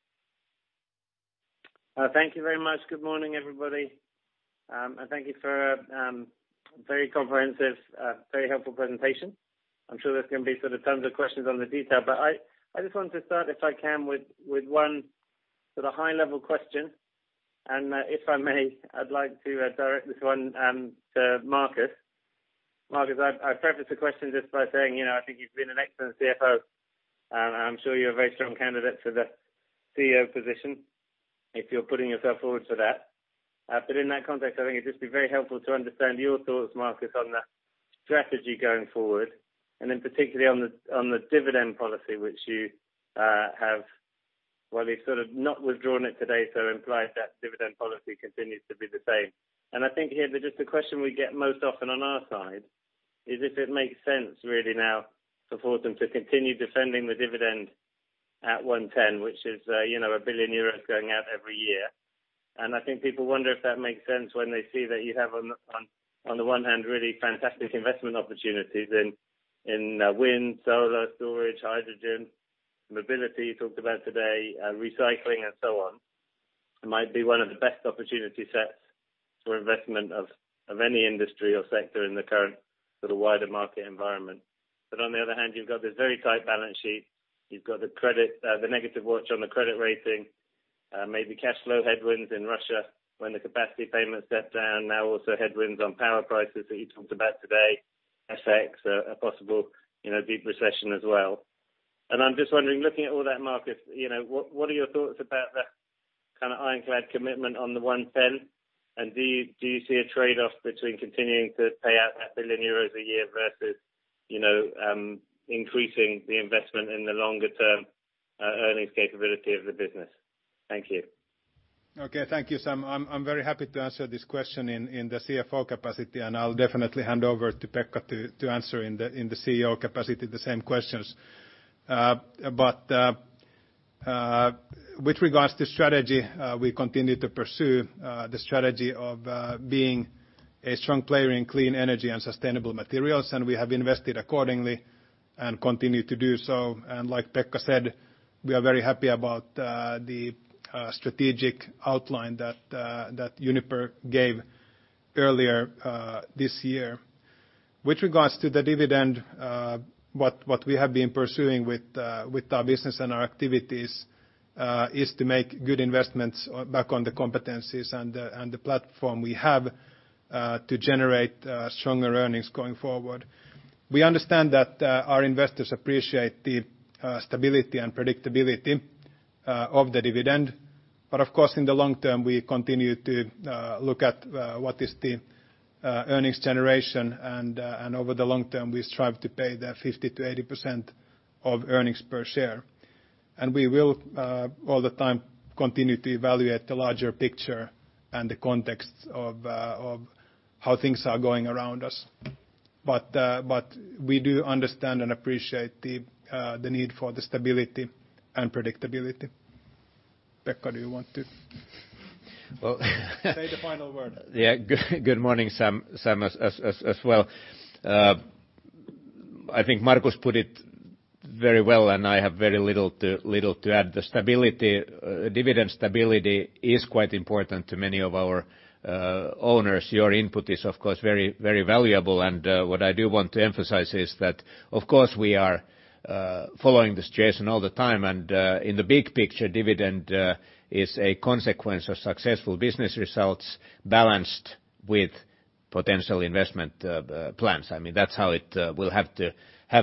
Thank you very much. Good morning, everybody. Thank you for very comprehensive, very helpful presentation. I'm sure there's going to be sort of tons of questions on the detail. I just wanted to start, if I can, with one sort of high-level question and if I may, I'd like to direct this one to Markus. Markus, I preface the question just by saying, I think you've been an excellent CFO and I'm sure you're a very strong candidate for the CEO position if you're putting yourself forward for that. In that context, I think it'd just be very helpful to understand your thoughts, Markus, on the strategy going forward, and then particularly on the dividend policy which you have while you've sort of not withdrawn it today, so implied that dividend policy continues to be the same. I think here, just the question we get most often on our side is if it makes sense really now for Fortum to continue defending the dividend at 110, which is 1 billion euros going out every year. I think people wonder if that makes sense when they see that you have on the one hand, really fantastic investment opportunities in wind, solar storage, hydrogen, mobility, you talked about today, recycling and so on. It might be one of the best opportunity sets for investment of any industry or sector in the current wider market environment. On the other hand, you've got this very tight balance sheet. You've got the negative watch on the credit rating, maybe cash flow headwinds in Russia when the capacity payments step down. Now also headwinds on power prices that you talked about today, FX, a possible deep recession as well. I'm just wondering, looking at all that, Markus, what are your thoughts about that kind of ironclad commitment on the 110? Do you see a trade-off between continuing to pay out that 1 billion euros a year versus increasing the investment in the longer-term earnings capability of the business? Thank you. Thank you, Sam. I'm very happy to answer this question in the CFO capacity, and I'll definitely hand over to Pekka to answer in the CEO capacity the same questions. With regards to strategy, we continue to pursue the strategy of being a strong player in clean energy and sustainable materials, and we have invested accordingly and continue to do so. Like Pekka said, we are very happy about the strategic outline that Uniper gave earlier this year. With regards to the dividend, what we have been pursuing with our business and our activities is to make good investments back on the competencies and the platform we have to generate stronger earnings going forward. We understand that our investors appreciate the stability and predictability of the dividend. Of course, in the long term, we continue to look at what is the earnings generation and over the long term, we strive to pay the 50% to 80% of earnings per share. We will all the time continue to evaluate the larger picture and the context of how things are going around us. We do understand and appreciate the need for the stability and predictability. Pekka, do you want to- Well say the final word? Yeah. Good morning, Sam, as well. I think Markus put it very well, and I have very little to add. The dividend stability is quite important to many of our owners. Your input is, of course, very valuable, and what I do want to emphasize is that, of course, we are following the situation all the time, and in the big picture, dividend is a consequence of successful business results balanced with potential investment plans. That's how it will have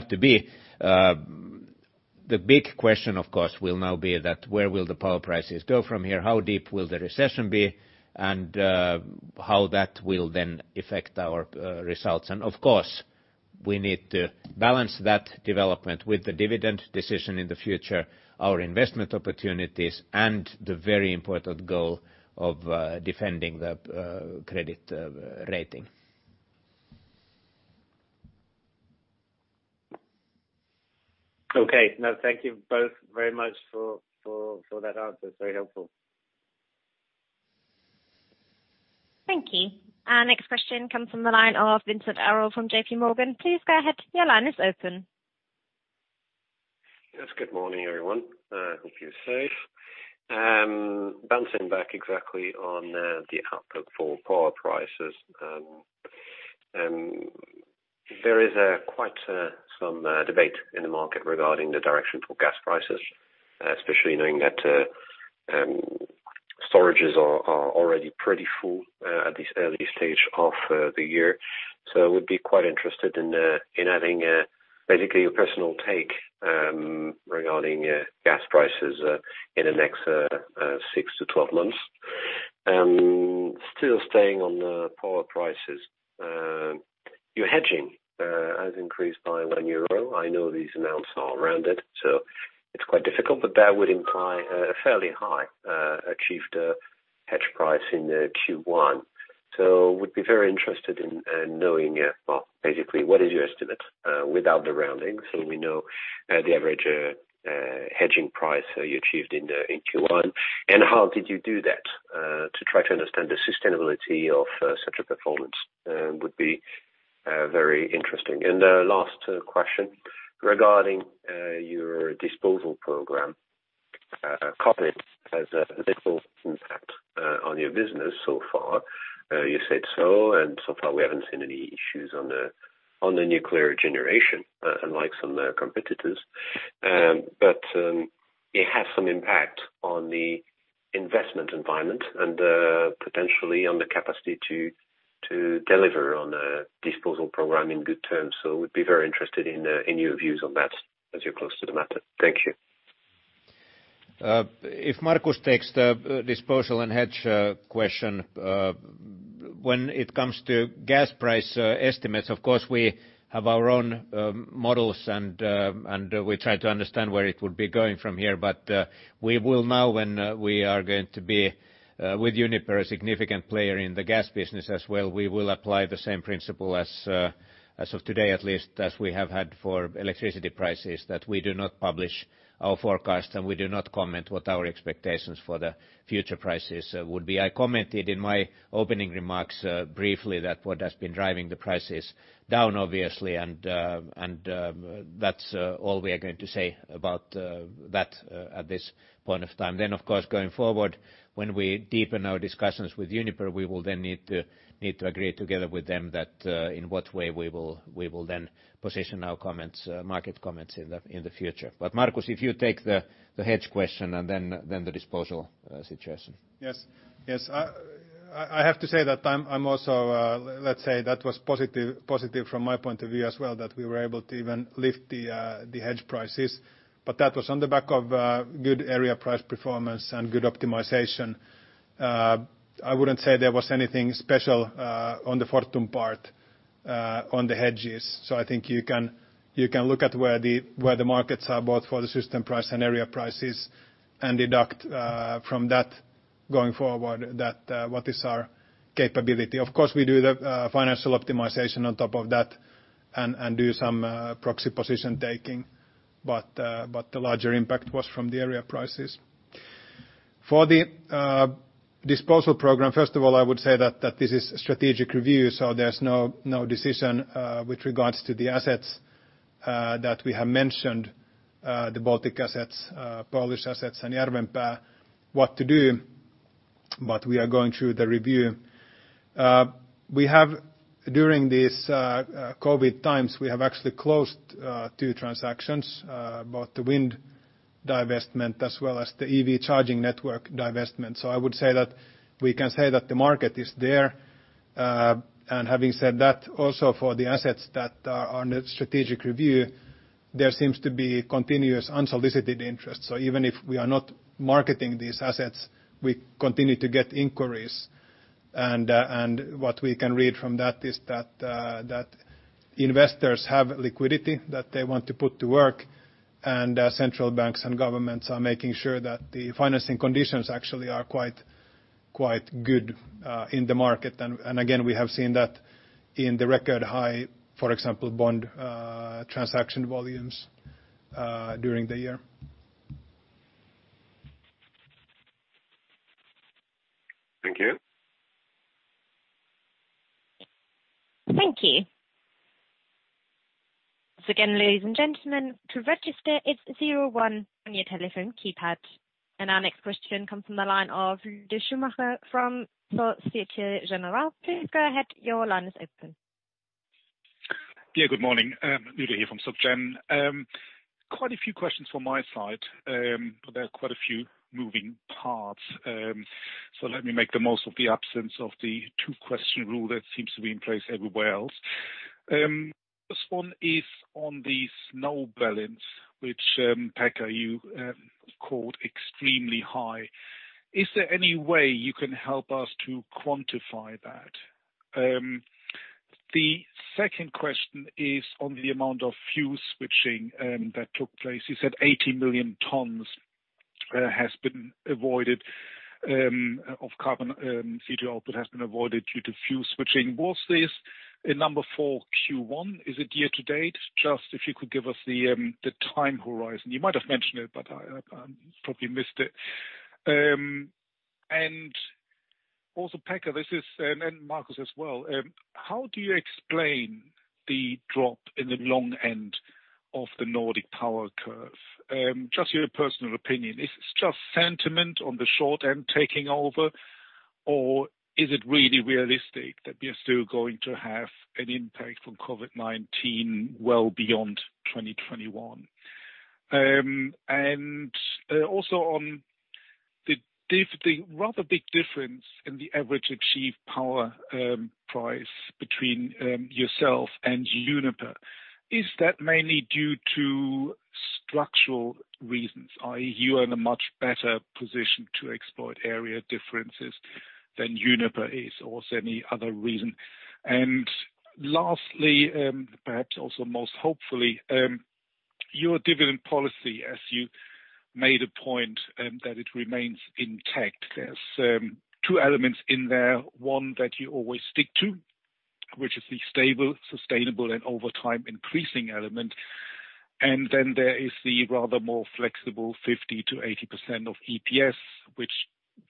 to be. The big question, of course, will now be that where will the power prices go from here? How deep will the recession be? How that will then affect our results. Of course, we need to balance that development with the dividend decision in the future, our investment opportunities, and the very important goal of defending the credit rating. Okay. No, thank you both very much for that answer. It's very helpful. Thank you. Our next question comes from the line of Vincent Ayral from JPMorgan. Please go ahead. Your line is open. Yes. Good morning, everyone. I hope you're safe. Bouncing back exactly on the outlook for power prices. There is quite some debate in the market regarding the direction for gas prices, especially knowing that storages are already pretty full at this early stage of the year. I would be quite interested in having basically your personal take regarding gas prices in the next six to 12 months. Still staying on the power prices. Your hedging has increased by 1 euro. I know these amounts are rounded, so it's quite difficult, but that would imply a fairly high achieved hedge price in the Q1. Would be very interested in knowing, well, basically what is your estimate without the rounding so we know the average hedging price you achieved in Q1, and how did you do that? To try to understand the sustainability of such a performance would be very interesting. Last question regarding your disposal program. COVID has little impact on your business so far. You said so, and so far, we haven't seen any issues on the nuclear generation, unlike some competitors. It has some impact on the investment environment and potentially on the capacity to deliver on a disposal program in good terms. Would be very interested in your views on that as you're close to the matter. Thank you. If Markus takes the disposal and hedge question. When it comes to gas price estimates, of course, we have our own models and we try to understand where it would be going from here. We will now, when we are going to be with Uniper, a significant player in the gas business as well, we will apply the same principle as of today at least, as we have had for electricity prices, that we do not publish our forecast, and we do not comment what our expectations for the future prices would be. I commented in my opening remarks briefly that what has been driving the prices down, obviously, and that's all we are going to say about that at this point of time. Of course, going forward, when we deepen our discussions with Uniper, we will then need to agree together with them that in what way we will then position our market comments in the future. Markus, if you take the hedge question and then the disposal situation. Yes. I have to say that I'm also Let's say that was positive from my point of view as well, that we were able to even lift the hedge prices. That was on the back of good area price performance and good optimization. I wouldn't say there was anything special on the Fortum part on the hedges. I think you can look at where the markets are both for the system price and area prices, and deduct from that going forward what is our capability. Of course, we do the financial optimization on top of that and do some proxy position taking. The larger impact was from the area prices. For the disposal program, first of all, I would say that this is strategic review, there's no decision with regards to the assets that we have mentioned, the Baltic assets, Polish assets, and Järvenpää, what to do. We are going through the review. During these COVID-19 times, we have actually closed two transactions, both the wind divestment as well as the EV charging network divestment. I would say that we can say that the market is there. Having said that also for the assets that are under strategic review, there seems to be continuous unsolicited interest. Even if we are not marketing these assets, we continue to get inquiries. What we can read from that is that investors have liquidity that they want to put to work, and central banks and governments are making sure that the financing conditions actually are quite good in the market. Again, we have seen that in the record high, for example, bond transaction volumes during the year. Thank you. Thank you. Once again, ladies and gentlemen, to register, it's zero one on your telephone keypad. Our next question comes from the line of Lueder Schumacher from Société Générale. Please go ahead. Your line is open. Yeah, good morning. Lueder here from Soc Gen. Quite a few questions from my side. There are quite a few moving parts. Let me make the most of the absence of the two-question rule that seems to be in place everywhere else. First one is on the snow balance, which, Pekka, you called extremely high. Is there any way you can help us to quantify that? The second question is on the amount of fuel switching that took place. You said 80 million tons has been avoided of carbon CO2 output has been avoided due to fuel switching. Was this a number for Q1? Is it year to date? Just if you could give us the time horizon. You might have mentioned it, I probably missed it. Also, Pekka, this is, and Markus as well, how do you explain the drop in the long end of the Nordic power curve? Just your personal opinion. If it's just sentiment on the short end taking over, or is it really realistic that we are still going to have an impact from COVID-19 well beyond 2021? Also on the rather big difference in the average achieved power price between yourself and Uniper, is that mainly due to structural reasons, i.e., you are in a much better position to exploit area differences than Uniper is, or is there any other reason? Lastly, perhaps also most hopefully, your dividend policy as you made a point that it remains intact. There's two elements in there, one that you always stick to, which is the stable, sustainable and over time increasing element. There is the rather more flexible 50%-80% of EPS, which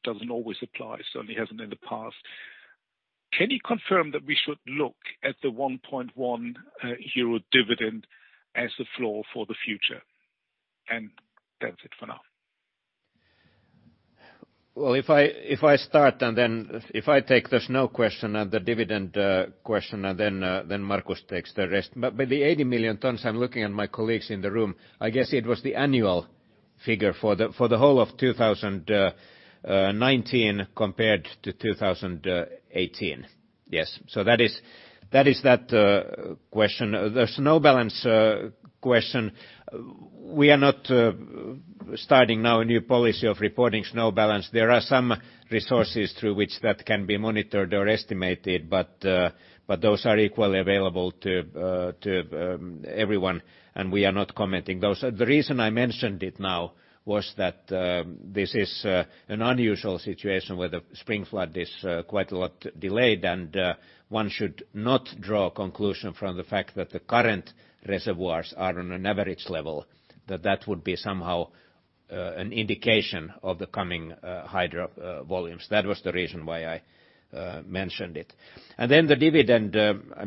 doesn't always apply. Certainly hasn't in the past. Can you confirm that we should look at the 1.1 euro dividend as the floor for the future? That's it for now. Well, if I start and then if I take the snow question and the dividend question, and then Markus takes the rest. The 80 million tons, I'm looking at my colleagues in the room. I guess it was the annual figure for the whole of 2019 compared to 2018. Yes. That is that question. The snow balance question, we are not starting now a new policy of reporting snow balance. There are some resources through which that can be monitored or estimated, but those are equally available to everyone, and we are not commenting those. The reason I mentioned it now was that this is an unusual situation where the spring flood is quite a lot delayed, and one should not draw conclusion from the fact that the current reservoirs are on an average level, that that would be somehow an indication of the coming hydro volumes. That was the reason why I mentioned it. The dividend,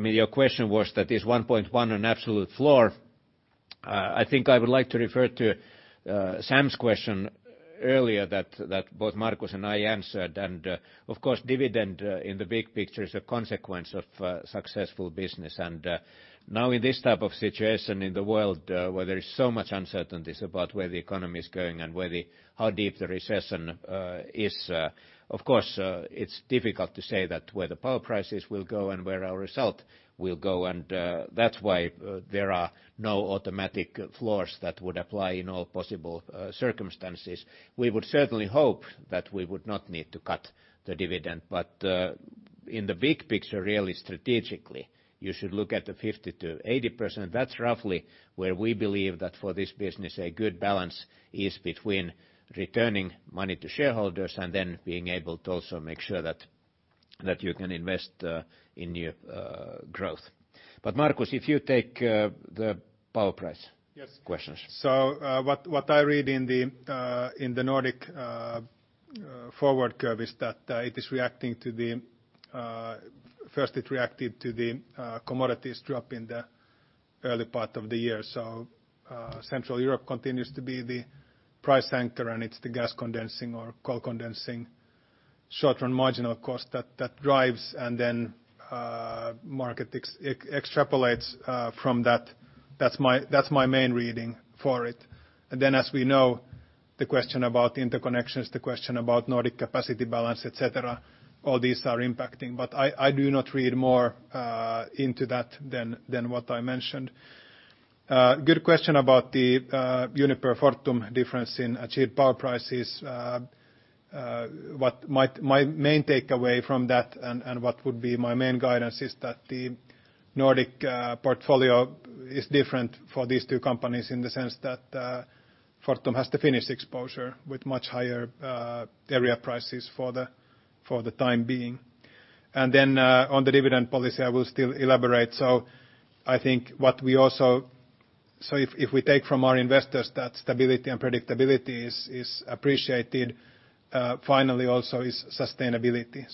your question was that is 1.1 an absolute floor? I think I would like to refer to Sam's question earlier that both Markus and I answered. Of course, dividend in the big picture is a consequence of successful business. Now in this type of situation in the world, where there is so much uncertainties about where the economy is going and how deep the recession is, of course, it's difficult to say that where the power prices will go and where our result will go, and that's why there are no automatic floors that would apply in all possible circumstances. We would certainly hope that we would not need to cut the dividend. In the big picture, really strategically, you should look at the 50%-80%. That's roughly where we believe that for this business, a good balance is between returning money to shareholders and then being able to also make sure that you can invest in new growth. Markus, if you take the power price- Yes questions. What I read in the Nordic forward curve is that first it reacted to the commodities drop in the early part of the year. Central Europe continues to be the price anchor, and it's the gas condensing or coal condensing short-term marginal cost that drives and then market extrapolates from that. That's my main reading for it. As we know, the question about interconnections, the question about Nordic capacity balance, et cetera, all these are impacting. I do not read more into that than what I mentioned. Good question about the Uniper-Fortum difference in achieved power prices. My main takeaway from that and what would be my main guidance is that the Nordic portfolio is different for these two companies in the sense that Fortum has the Finnish exposure with much higher area prices for the time being. On the dividend policy, I will still elaborate. If we take from our investors that stability and predictability is appreciated, finally, also is sustainability.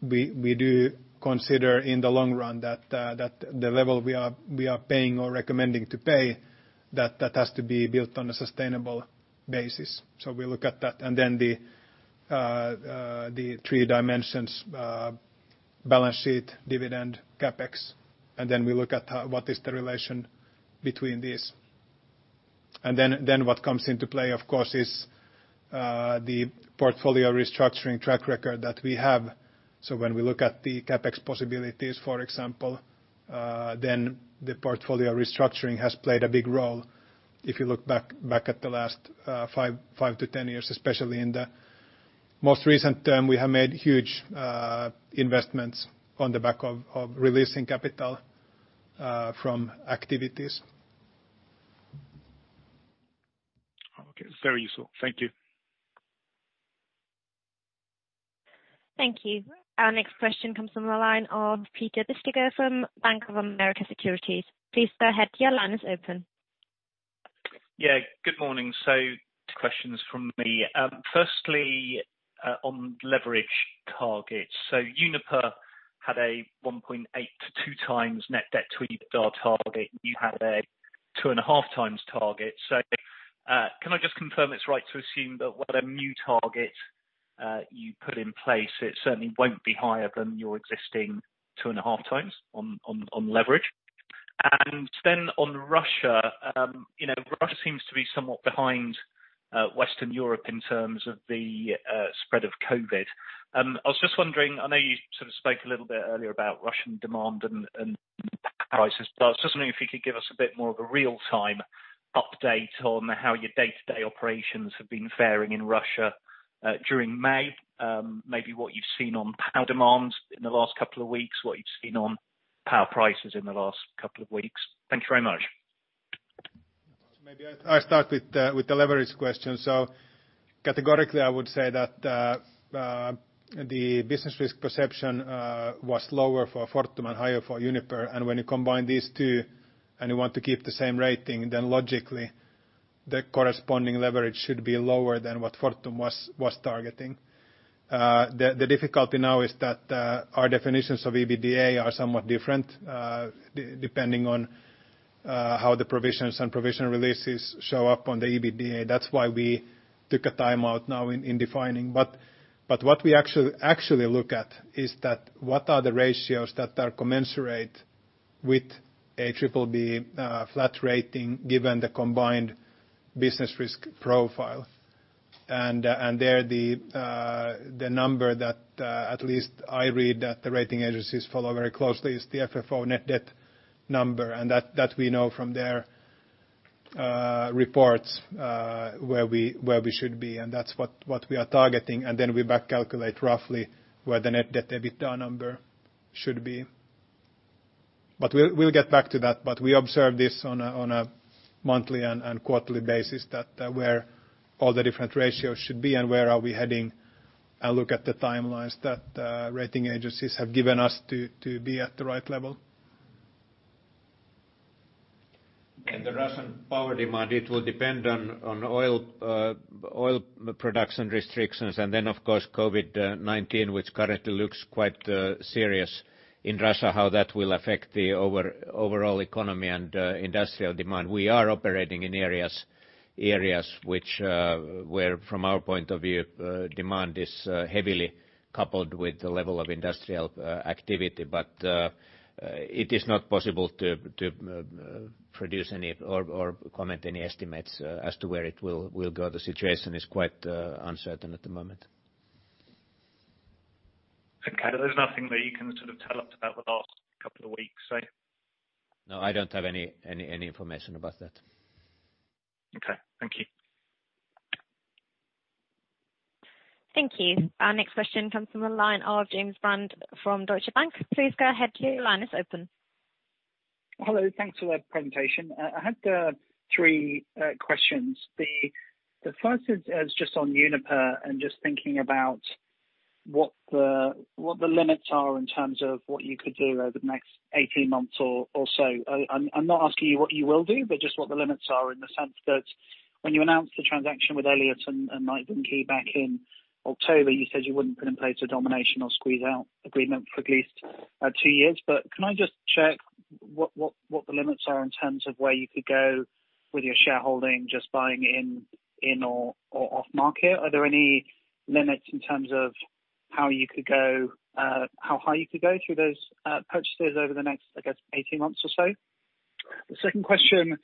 We do consider in the long run that the level we are paying or recommending to pay, that has to be built on a sustainable basis. We look at that, the three dimensions, balance sheet, dividend, CapEx, we look at what is the relation between these. What comes into play, of course, is the portfolio restructuring track record that we have. When we look at the CapEx possibilities, for example, the portfolio restructuring has played a big role. If you look back at the last 5 to 10 years, especially in the most recent term, we have made huge investments on the back of releasing capital from activities. Okay. Very useful. Thank you. Thank you. Our next question comes from the line of Peter Bisztyga from Bank of America Securities. Please go ahead, your line is open. Yeah, good morning. Two questions from me. Firstly, on leverage targets. Uniper had a 1.8-2 times net debt to EBITDA target. You had a 2.5 times target. Can I just confirm it's right to assume that whatever new target you put in place, it certainly won't be higher than your existing 2.5 times on leverage? Then on Russia seems to be somewhat behind Western Europe in terms of the spread of COVID-19. I was just wondering, I know you sort of spoke a little bit earlier about Russian demand and power prices, I was just wondering if you could give us a bit more of a real-time update on how your day-to-day operations have been faring in Russia, during May. Maybe what you've seen on power demands in the last couple of weeks, what you've seen on power prices in the last couple of weeks. Thank you very much. Maybe I'll start with the leverage question. Categorically, I would say that the business risk perception was lower for Fortum and higher for Uniper. When you combine these two, and you want to keep the same rating, then logically, the corresponding leverage should be lower than what Fortum was targeting. The difficulty now is that our definitions of EBITDA are somewhat different, depending on how the provisions and provision releases show up on the EBITDA. That's why we took a time out now in defining. What we actually look at is that what are the ratios that are commensurate with a BBB flat rating given the combined business risk profile. There the number that at least I read that the rating agencies follow very closely is the FFO net debt number. That we know from their reports where we should be, and that's what we are targeting. Then we back calculate roughly where the net debt EBITDA number should be. We'll get back to that, but we observe this on a monthly and quarterly basis that where all the different ratios should be and where are we heading, and look at the timelines that rating agencies have given us to be at the right level. The Russian power demand, it will depend on oil production restrictions, then of course, COVID-19, which currently looks quite serious in Russia, how that will affect the overall economy and industrial demand. We are operating in areas where from our point of view, demand is heavily coupled with the level of industrial activity. It is not possible to produce any or comment any estimates as to where it will go. The situation is quite uncertain at the moment. Okay. There's nothing that you can sort of tell us about the last couple of weeks, say? No, I don't have any information about that. Okay. Thank you. Thank you. Our next question comes from the line of James Brand from Deutsche Bank. Please go ahead, your line is open. Hello. Thanks for that presentation. I had three questions. The first is just on Uniper and just thinking about what the limits are in terms of what you could do over the next 18 months or so. I'm not asking you what you will do, but just what the limits are in the sense that when you announce the transaction with Elliott and Knight Vinke back in October, you said you wouldn't put in place a domination or squeeze-out agreement for at least two years. Can I just check what the limits are in terms of where you could go with your shareholding, just buying in or off market? Are there any limits in terms of how high you could go through those purchases over the next, I guess, 18 months or so? The second question,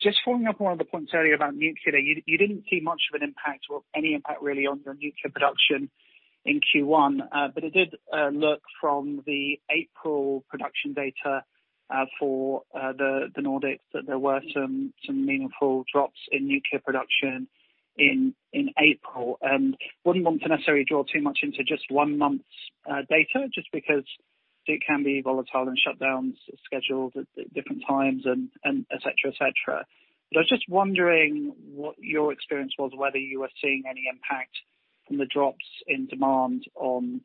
just following up on one of the points earlier about nuclear. You didn't see much of an impact or any impact really on your nuclear production in Q1. It did look from the April production data, for the Nordics that there were some meaningful drops in nuclear production in April. Wouldn't want to necessarily draw too much into just one month's data just because it can be volatile and shutdowns scheduled at different times, et cetera. I was just wondering what your experience was, whether you are seeing any impact from the drops in demand on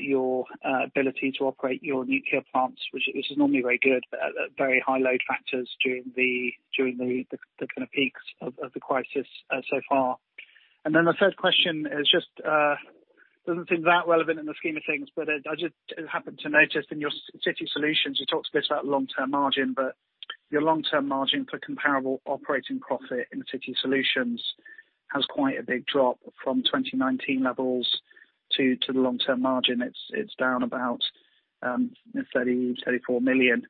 your ability to operate your nuclear plants, which is normally very good at very high load factors during the kind of peaks of the crisis so far. The third question is just, doesn't seem that relevant in the scheme of things, but I just happened to notice in your City Solutions, you talked a bit about long-term margin, but your long-term margin for comparable operating profit in City Solutions has quite a big drop from 2019 levels to the long-term margin. It's down about 30 million, 34 million.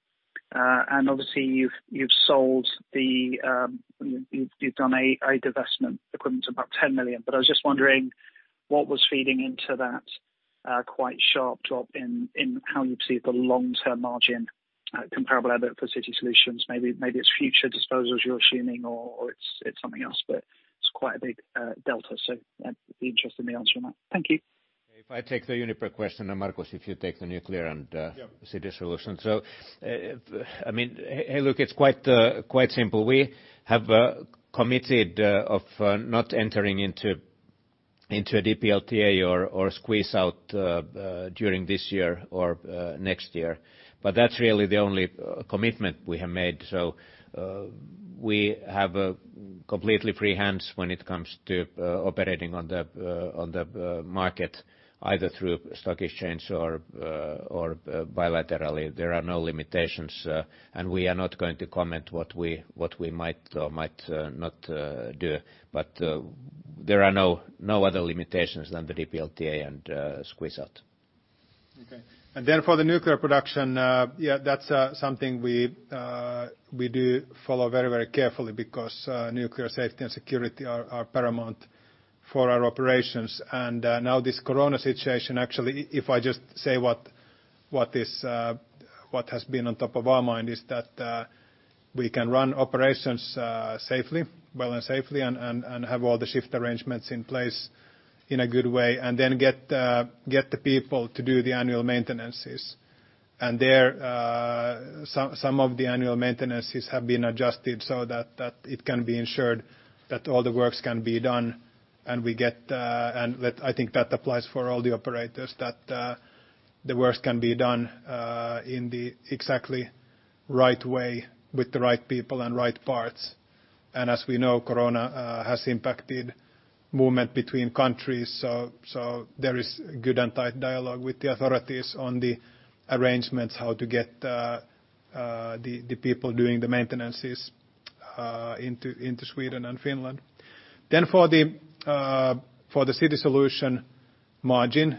Obviously you've done a divestment equivalent to about 10 million. I was just wondering what was feeding into that quite sharp drop in how you perceive the long-term margin comparable EBITDA for City Solutions. Maybe it's future disposals you're assuming or it's something else, it's quite a big delta. I'd be interested in the answer on that. Thank you. If I take the Uniper question, and Markus, if you take the nuclear. Yeah City Solutions. Hey, look, it's quite simple. We have committed of not entering into a DPLTA or squeeze-out during this year or next year, but that's really the only commitment we have made. We have completely free hands when it comes to operating on the market, either through stock exchange or bilaterally. There are no limitations. We are not going to comment what we might or might not do. There are no other limitations than the DPLTA and squeeze-out. Okay. For the nuclear production, that's something we do follow very carefully because nuclear safety and security are paramount for our operations. This COVID situation, actually, if I just say what has been on top of our mind is that we can run operations well and safely, have all the shift arrangements in place in a good way, then get the people to do the annual maintenances. Some of the annual maintenances have been adjusted so that it can be ensured that all the works can be done, I think that applies for all the operators, that the works can be done in the exactly right way with the right people and right parts. As we know, COVID has impacted movement between countries, so there is good and tight dialogue with the authorities on the arrangements, how to get the people doing the maintenances into Sweden and Finland. For the City Solutions margin,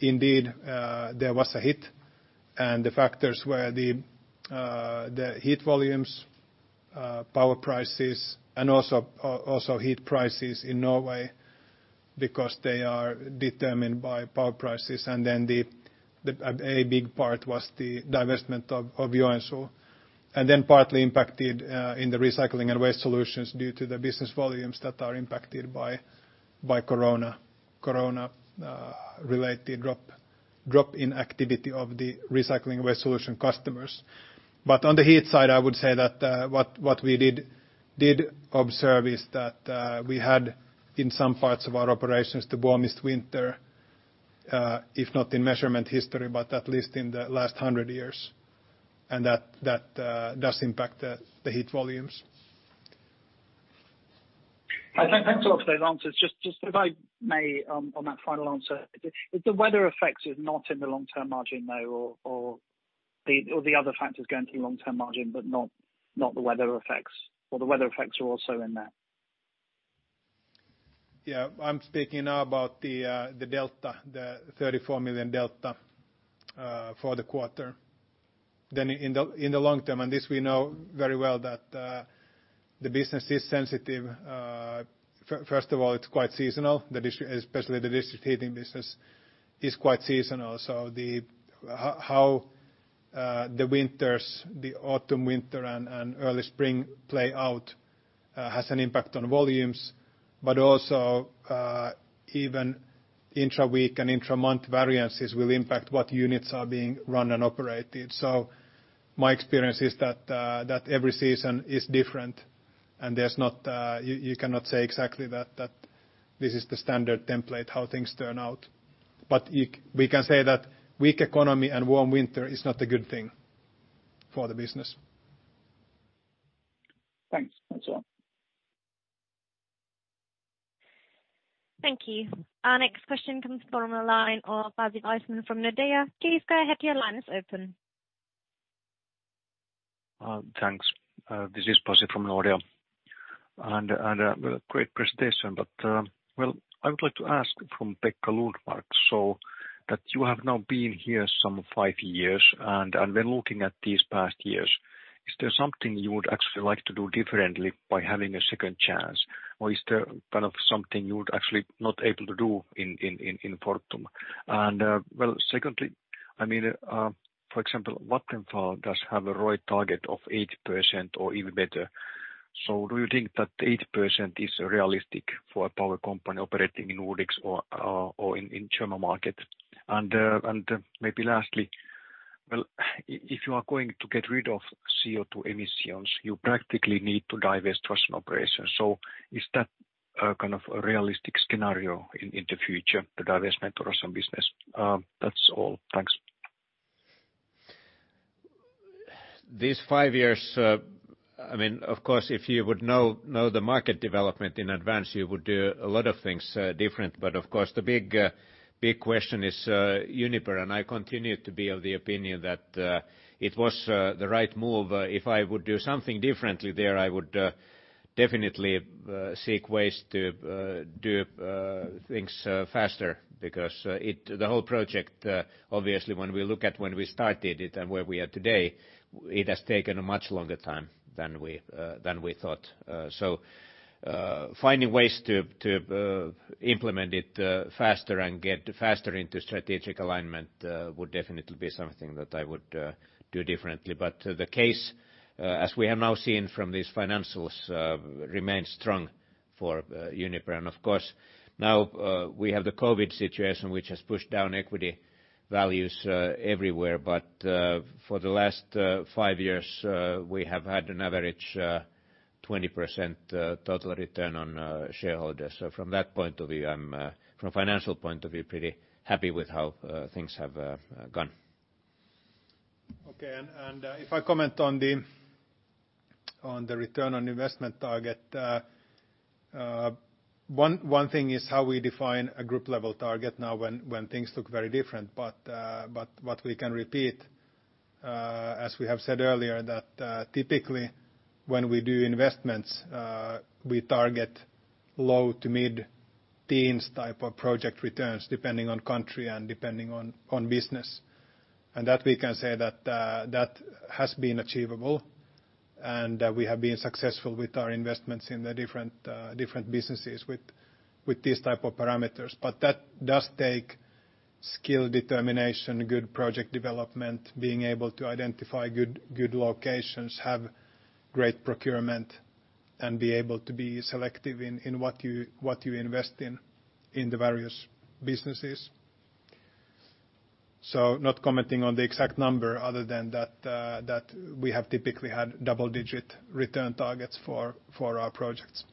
indeed, there was a hit, and the factors were the heat volumes, power prices, and also heat prices in Norway because they are determined by power prices. A big part was the divestment of Joensuu. Partly impacted in the Recycling and Waste Solutions due to the business volumes that are impacted by COVID-related drop in activity of the Recycling and Waste Solutions customers. On the heat side, I would say that what we did observe is that we had, in some parts of our operations, the warmest winter, if not in measurement history, but at least in the last 100 years, and that does impact the heat volumes. Thanks a lot for those answers. Just if I may, on that final answer, is the weather effects not in the long-term margin, though? Or the other factors go into long-term margin, but not the weather effects, or the weather effects are also in there? I'm speaking now about the delta, the 34 million delta for the quarter. In the long term, and this we know very well, that the business is sensitive. First of all, it's quite seasonal, especially the district heating business is quite seasonal. How the autumn, winter, and early spring play out has an impact on volumes, but also even intra-week and intra-month variances will impact what units are being run and operated. My experience is that every season is different, and you cannot say exactly that this is the standard template how things turn out. We can say that weak economy and warm winter is not a good thing for the business. Thanks. That's all. Thank you. Our next question comes from the line of Pasi Väisänen from Nordea. Please go ahead, your line is open. Thanks. This is Pasi from Nordea Bank Abp. Great presentation, but I would like to ask from Pekka Lundmark, you have now been here some five years, when looking at these past years, is there something you would actually like to do differently by having a second chance? Is there something you would actually not able to do in Fortum? Secondly, for example, Vattenfall does have a ROIC target of 80% or even better. Do you think that 80% is realistic for a power company operating in Nordics or in German market? Lastly, if you are going to get rid of CO2 emissions, you practically need to divest Russian operations. Is that a realistic scenario in the future, the divestment of Russian business? That's all. Thanks. These five years, of course, if you would know the market development in advance, you would do a lot of things different. Of course, the big question is Uniper, and I continue to be of the opinion that it was the right move. If I would do something differently there, I would definitely seek ways to do things faster, because the whole project, obviously, when we look at when we started it and where we are today, it has taken a much longer time than we thought. Finding ways to implement it faster and get faster into strategic alignment would definitely be something that I would do differently. The case, as we have now seen from these financials, remains strong for Uniper, and of course, now we have the COVID situation, which has pushed down equity values everywhere. For the last five years, we have had an average 20% total return on shareholders. From that point of view, from a financial point of view, pretty happy with how things have gone. Okay. If I comment on the return on investment target, one thing is how we define a group-level target now when things look very different. What we can repeat, as we have said earlier, that typically when we do investments, we target low to mid-teens type of project returns depending on country and depending on business. That we can say that has been achievable, and we have been successful with our investments in the different businesses with these type of parameters. That does take skill, determination, good project development, being able to identify good locations, have great procurement, and be able to be selective in what you invest in the various businesses. Not commenting on the exact number other than that we have typically had double-digit return targets for our projects.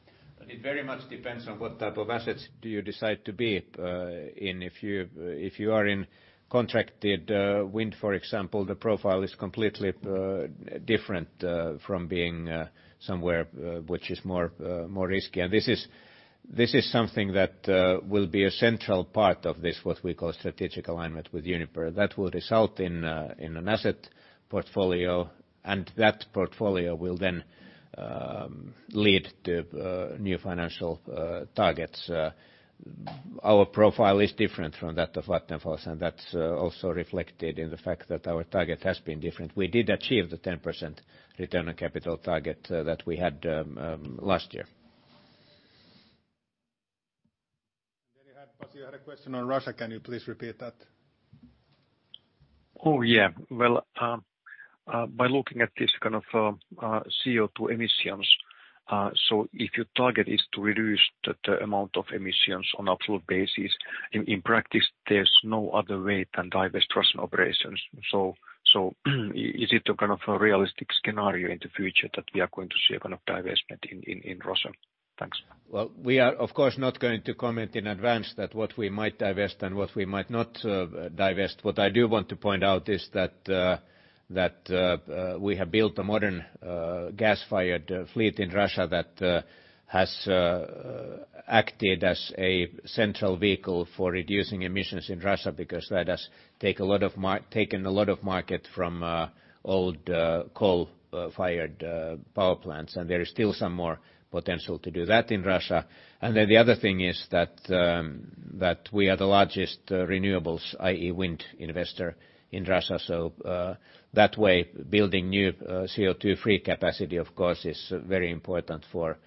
It very much depends on what type of assets do you decide to be in. If you are in contracted wind, for example, the profile is completely different from being somewhere which is more risky. This is something that will be a central part of this, what we call strategic alignment with Uniper, that will result in an asset portfolio, and that portfolio will then lead to new financial targets. Our profile is different from that of Vattenfall, and that's also reflected in the fact that our target has been different. We did achieve the 10% return on capital target that we had last year. You had, Pasi, you had a question on Russia. Can you please repeat that? Oh, yeah. By looking at this kind of CO2 emissions, if your target is to reduce the amount of emissions on absolute basis, in practice, there's no other way than divest Russian operations. Is it a kind of a realistic scenario in the future that we are going to see a kind of divestment in Russia? Thanks. We are, of course, not going to comment in advance that what we might divest and what we might not divest. What I do want to point out is that we have built a modern gas-fired fleet in Russia that has acted as a central vehicle for reducing emissions in Russia because that has taken a lot of market from old coal-fired power plants, and there is still some more potential to do that in Russia. The other thing is that we are the largest renewables, i.e. wind investor in Russia. That way, building new CO2-free capacity, of course, is very important for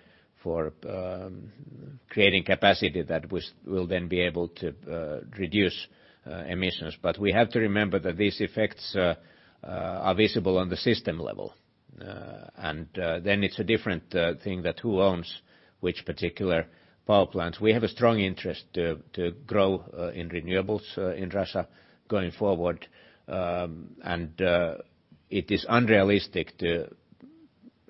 creating capacity that will then be able to reduce emissions. We have to remember that these effects are visible on the system level. It's a different thing that who owns which particular power plants. We have a strong interest to grow in renewables in Russia going forward. It is unrealistic to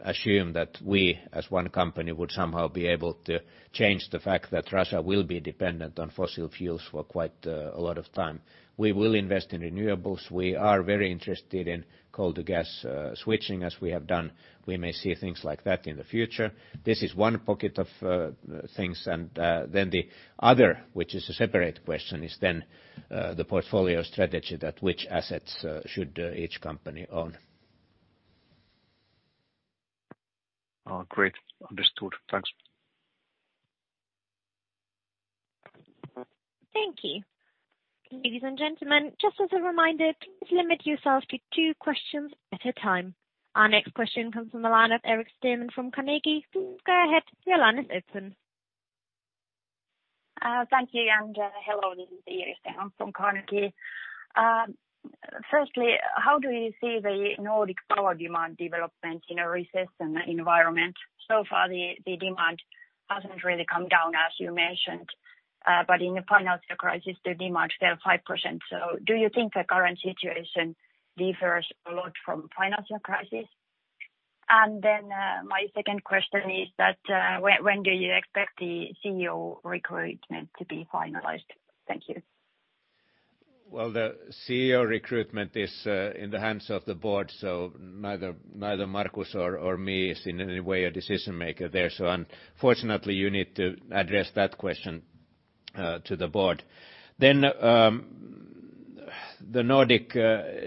assume that we, as one company, would somehow be able to change the fact that Russia will be dependent on fossil fuels for quite a lot of time. We will invest in renewables. We are very interested in coal to gas switching as we have done. We may see things like that in the future. This is one pocket of things. The other, which is a separate question, is then the portfolio strategy that which assets should each company own. Oh, great. Understood. Thanks. Thank you. Ladies and gentlemen, just as a reminder, please limit yourselves to two questions at a time. Our next question comes from the line of Erik Sten from Carnegie. Please go ahead. Your line is open. Thank you. Hello, this is Erik Sten from Carnegie. Firstly, how do you see the Nordic power demand development in a recession environment? Far, the demand hasn't really come down as you mentioned, but in the financial crisis, the demand fell 5%. Do you think the current situation differs a lot from financial crisis? Then, my second question is that when do you expect the CEO recruitment to be finalized? Thank you. Well, the CEO recruitment is in the hands of the board, neither Markus or me is in any way a decision-maker there. Unfortunately, you need to address that question to the board. The Nordic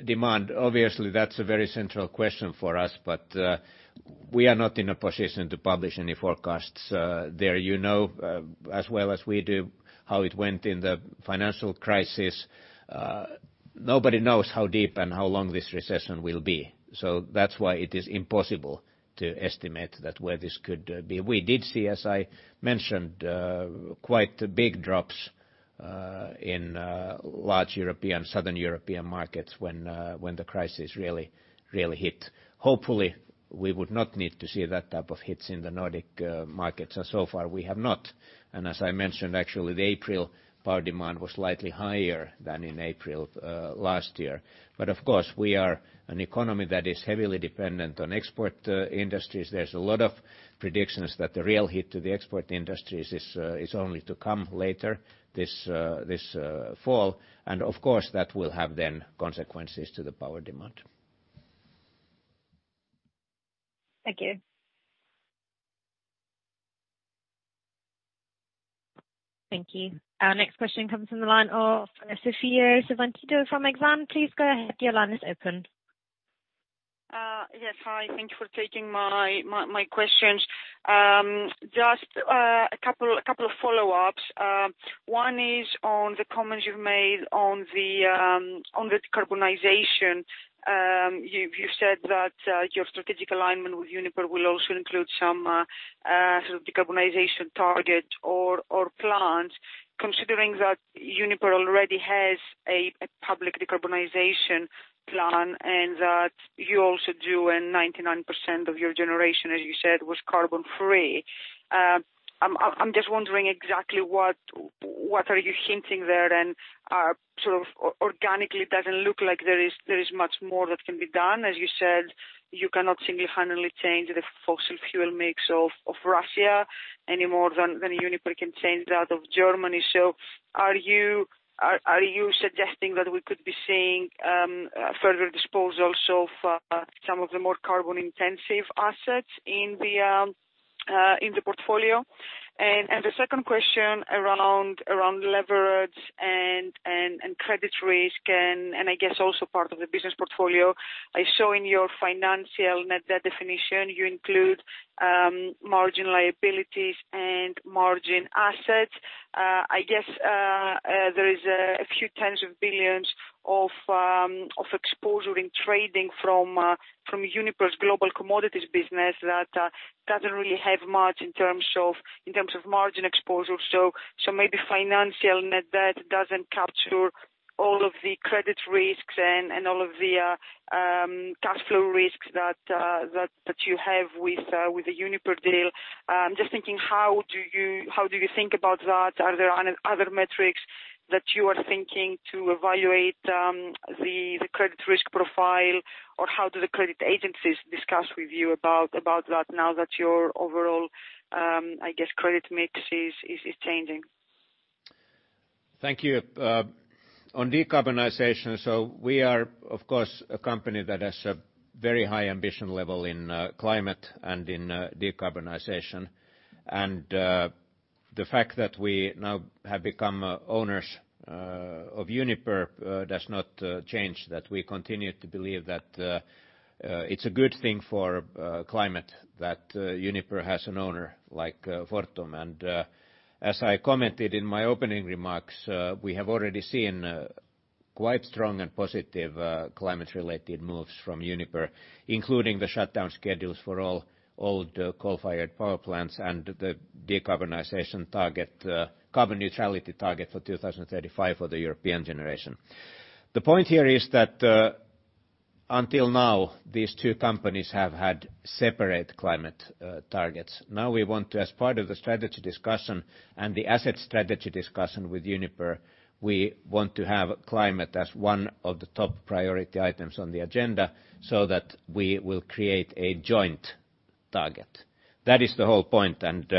demand, obviously, that's a very central question for us, but we are not in a position to publish any forecasts there. You know as well as we do how it went in the financial crisis. Nobody knows how deep and how long this recession will be. That's why it is impossible to estimate that where this could be. We did see, as I mentioned, quite big drops in large European, Southern European markets when the crisis really hit. Hopefully, we would not need to see that type of hits in the Nordic markets. Far we have not, and as I mentioned, actually, the April power demand was slightly higher than in April last year. Of course we are an economy that is heavily dependent on export industries. There's a lot of predictions that the real hit to the export industries is only to come later this fall, and of course, that will have then consequences to the power demand. Thank you. Thank you. Our next question comes from the line of Sophia Sivanidou from Exane. Please go ahead. Your line is open. Yes. Hi. Thank you for taking my questions. Just a couple of follow-ups. One is on the comments you've made on the decarbonization. You've said that your strategic alignment with Uniper will also include some sort of decarbonization target or plans, considering that Uniper already has a public decarbonization plan and that you also do, and 99% of your generation, as you said, was carbon-free. I'm just wondering exactly what are you hinting there and sort of organically, it doesn't look like there is much more that can be done. As you said, you cannot singularly change the fossil fuel mix of Russia any more than Uniper can change that of Germany. Are you suggesting that we could be seeing further disposals of some of the more carbon-intensive assets in the portfolio? The second question around leverage and credit risk and I guess also part of the business portfolio. I saw in your financial net debt definition, you include margin liabilities and margin assets. I guess there is a few tens of billions of exposure in trading from Uniper's Global Commodities business that doesn't really have much in terms of margin exposure. Maybe financial net debt doesn't capture all of the credit risks and all of the cash flow risks that you have with the Uniper deal. I'm just thinking, how do you think about that? Are there other metrics that you are thinking to evaluate the credit risk profile, or how do the credit agencies discuss with you about that now that your overall, I guess, credit mix is changing? Thank you. On decarbonization, we are, of course, a company that has a very high ambition level in climate and in decarbonization. The fact that we now have become owners of Uniper does not change that we continue to believe that it's a good thing for climate that Uniper has an owner like Fortum. As I commented in my opening remarks, we have already seen quite strong and positive climate-related moves from Uniper, including the shutdown schedules for all the coal-fired power plants and the decarbonization target, carbon neutrality target for 2035 for the European Generation. The point here is that until now, these two companies have had separate climate targets. We want to, as part of the strategy discussion and the asset strategy discussion with Uniper, we want to have climate as one of the top priority items on the agenda so that we will create a joint target. That is the whole point, and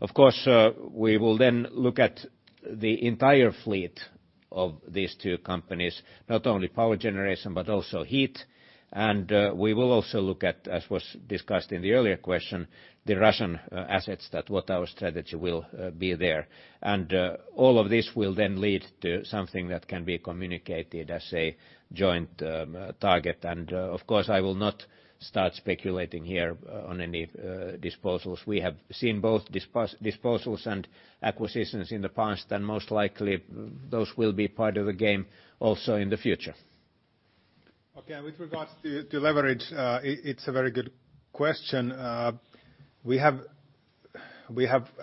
of course, we will then look at the entire fleet of these two companies, not only power generation, but also heat. We will also look at, as was discussed in the earlier question, the Russian assets that what our strategy will be there. All of this will then lead to something that can be communicated as a joint target. Of course, I will not start speculating here on any disposals. We have seen both disposals and acquisitions in the past, and most likely those will be part of the game also in the future. Okay, with regards to leverage, it's a very good question.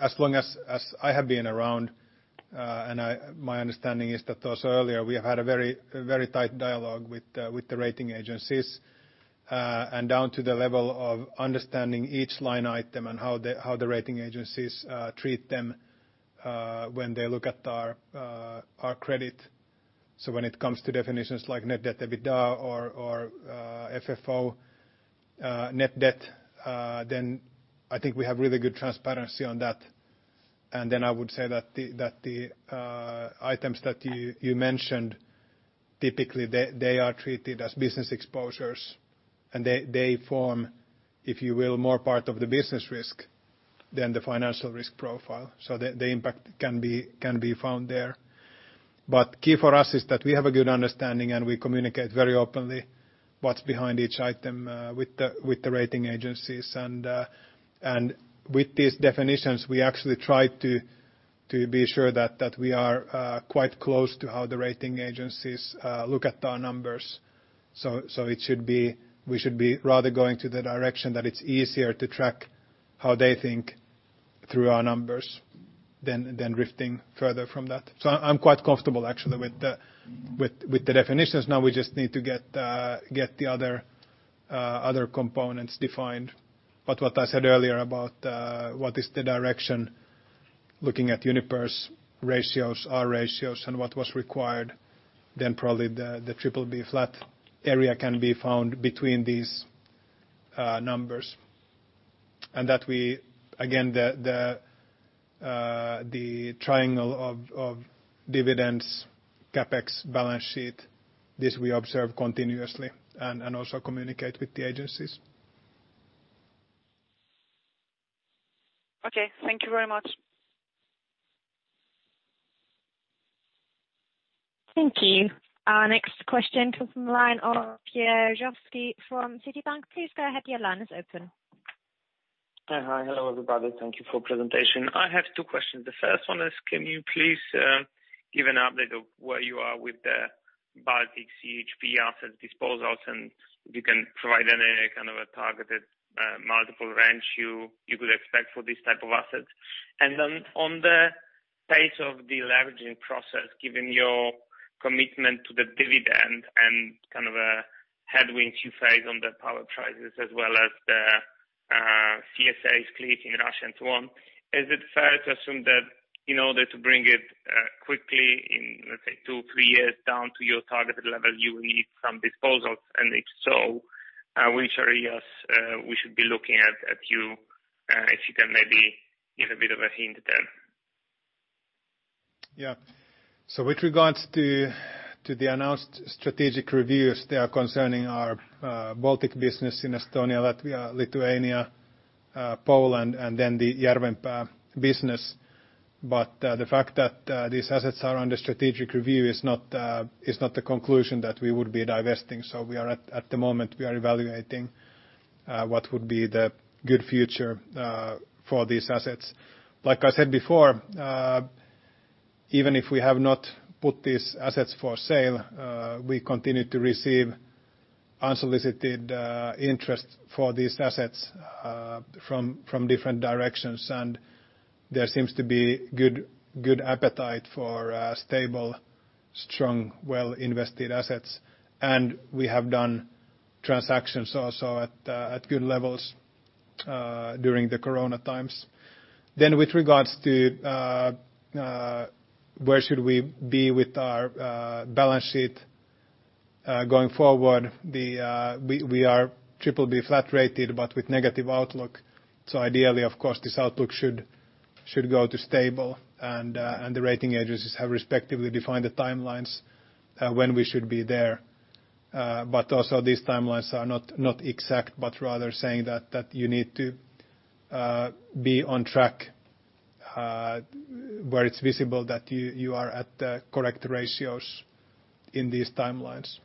As long as I have been around, my understanding is that also earlier we have had a very tight dialogue with the rating agencies, down to the level of understanding each line item and how the rating agencies treat them when they look at our credit. When it comes to definitions like net debt EBITDA or FFO net debt, I think we have really good transparency on that. I would say that the items that you mentioned, typically they are treated as business exposures and they form, if you will, more part of the business risk than the financial risk profile. The impact can be found there. Key for us is that we have a good understanding and we communicate very openly what's behind each item with the rating agencies. With these definitions, we actually try to be sure that we are quite close to how the rating agencies look at our numbers. We should be rather going to the direction that it's easier to track how they think through our numbers, then drifting further from that. I'm quite comfortable, actually, with the definitions. Now we just need to get the other components defined. What I said earlier about what is the direction, looking at Uniper's ratios, our ratios, and what was required, then probably the BBB flat area can be found between these numbers. That, again, the triangle of dividends, CapEx, balance sheet, this we observe continuously and also communicate with the agencies. Okay. Thank you very much. Thank you. Our next question comes from the line of Pierre-Alexandre Bouhey from Citibank. Please go ahead. Your line is open. Hi. Hello, everybody. Thank you for presentation. I have two questions. The first one is, can you please give an update of where you are with the Baltic CHP asset disposals, and if you can provide any kind of a targeted multiple range you could expect for these type of assets? On the pace of deleveraging process, given your commitment to the dividend and kind of headwinds you face on the power prices as well as the CSAs [clicking in] Russia and so on, is it fair to assume that in order to bring it quickly in, let’s say two, three years down to your targeted level, you will need some disposals? If so, which areas we should be looking at you, if you can maybe give a bit of a hint there? With regards to the announced strategic reviews, they are concerning our Baltic business in Estonia, Latvia, Lithuania, Poland, and then the Järvenpää business. The fact that these assets are under strategic review is not the conclusion that we would be divesting. At the moment, we are evaluating what would be the good future for these assets. Like I said before, even if we have not put these assets for sale, we continue to receive unsolicited interest for these assets from different directions, and there seems to be good appetite for stable, strong, well-invested assets. We have done transactions also at good levels during the coronavirus times. With regards to where should we be with our balance sheet going forward, we are BBB flat rated, but with negative outlook. Ideally, of course, this outlook should go to stable, and the rating agencies have respectively defined the timelines when we should be there. Also these timelines are not exact, but rather saying that you need to be on track where it's visible that you are at the correct ratios in these timelines.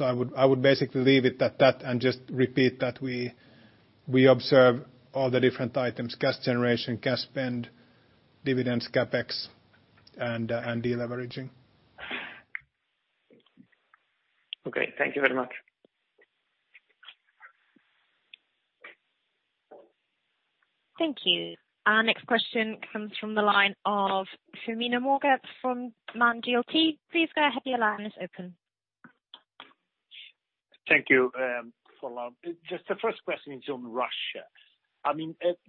I would basically leave it at that and just repeat that we observe all the different items, cash generation, cash spend, dividends, CapEx, and deleveraging. Okay. Thank you very much. Thank you. Our next question comes from the line of Firmino Morgado from Man GLG. Please go ahead. Your line is open. Thank you. For now, just the first question is on Russia.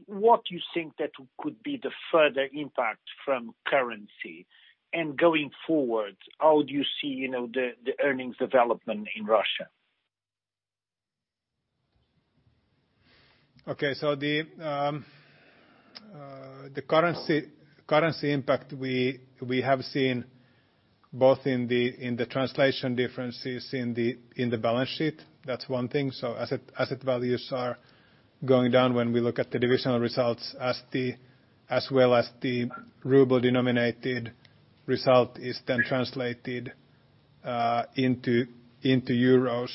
What do you think that could be the further impact from currency? Going forward, how do you see the earnings development in Russia? Okay. The currency impact we have seen both in the translation differences in the balance sheet, that's one thing. Asset values are going down when we look at the divisional results as well as the RUB-denominated result is then translated into EUR.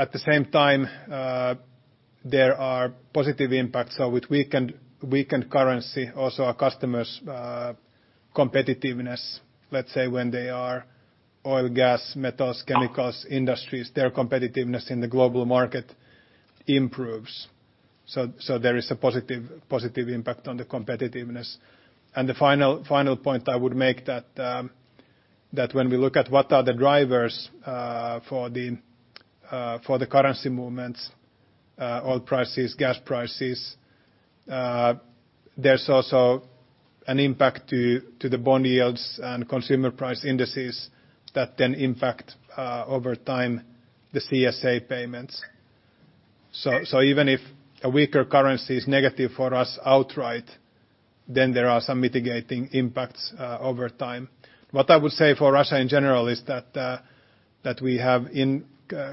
At the same time, there are positive impacts. With weakened currency, also our customers' competitiveness, let's say when they are oil, gas, metals, chemicals industries, their competitiveness in the global market improves. There is a positive impact on the competitiveness. The final point I would make that when we look at what are the drivers for the currency movements, oil prices, gas prices there's also an impact to the bond yields and consumer price indices that then impact over time the CSA payments. Even if a weaker currency is negative for us outright, then there are some mitigating impacts over time. What I would say for Russia in general is that we have in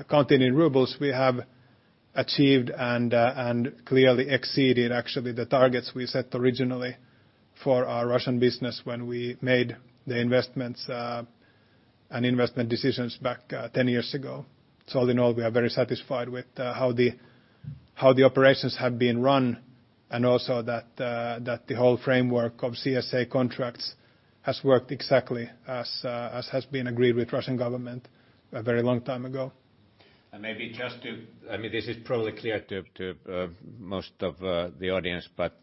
counting in RUB, we have achieved and clearly exceeded actually the targets we set originally for our Russian business when we made the investments and investment decisions back 10 years ago. All in all, we are very satisfied with How the operations have been run and also that the whole framework of CSA contracts has worked exactly as has been agreed with Russian government a very long time ago. Maybe this is probably clear to most of the audience, but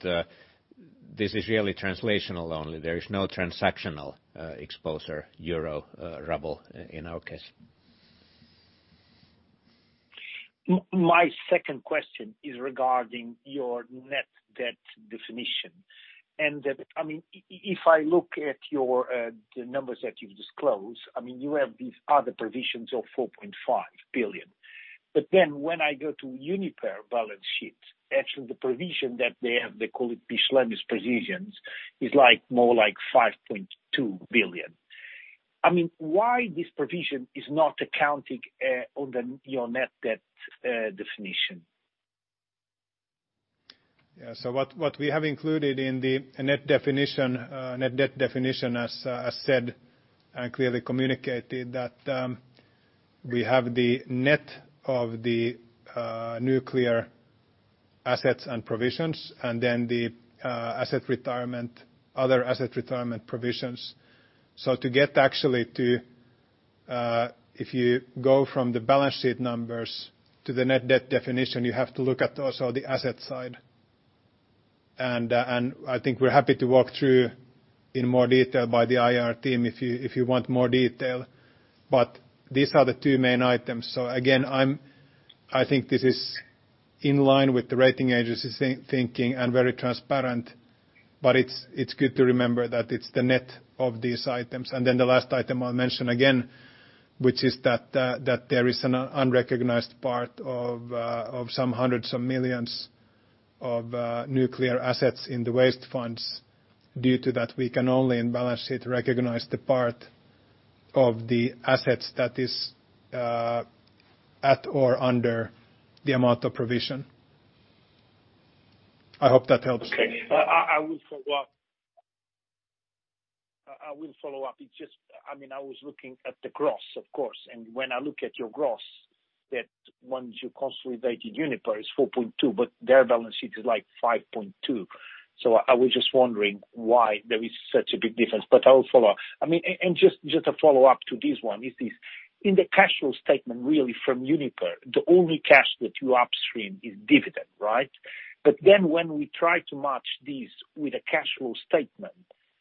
this is really transactional only. There is no transactional exposure, euro-ruble in our case. My second question is regarding your net debt definition. That, if I look at the numbers that you've disclosed, you have these other provisions of 4.5 billion. When I go to Uniper balance sheet, actually the provision that they have, they call it provisions is more like 5.2 billion. Why this provision is not accounting on your net debt definition? What we have included in the net debt definition as said and clearly communicated that we have the net of the nuclear assets and provisions, and then the other asset retirement provisions. To get actually, if you go from the balance sheet numbers to the net debt definition, you have to look at also the asset side. I think we're happy to walk through in more detail by the IR team if you want more detail. These are the two main items. Again, I think this is in line with the rating agency thinking and very transparent. It's good to remember that it's the net of these items. The last item I'll mention again, which is that, there is an unrecognized part of some hundreds of millions of nuclear assets in the waste funds. Due to that, we can only, in balance sheet, recognize the part of the assets that is at or under the amount of provision. I hope that helps. Okay. I will follow up. I was looking at the gross, of course. When I look at your gross, that once you consolidated Uniper, it's 4.2, but their balance sheet is like 5.2. I was just wondering why there is such a big difference, but I will follow up. Just a follow-up to this one is this. In the cash flow statement, really from Uniper, the only cash that you upstream is dividend, right? When we try to match this with a cash flow statement,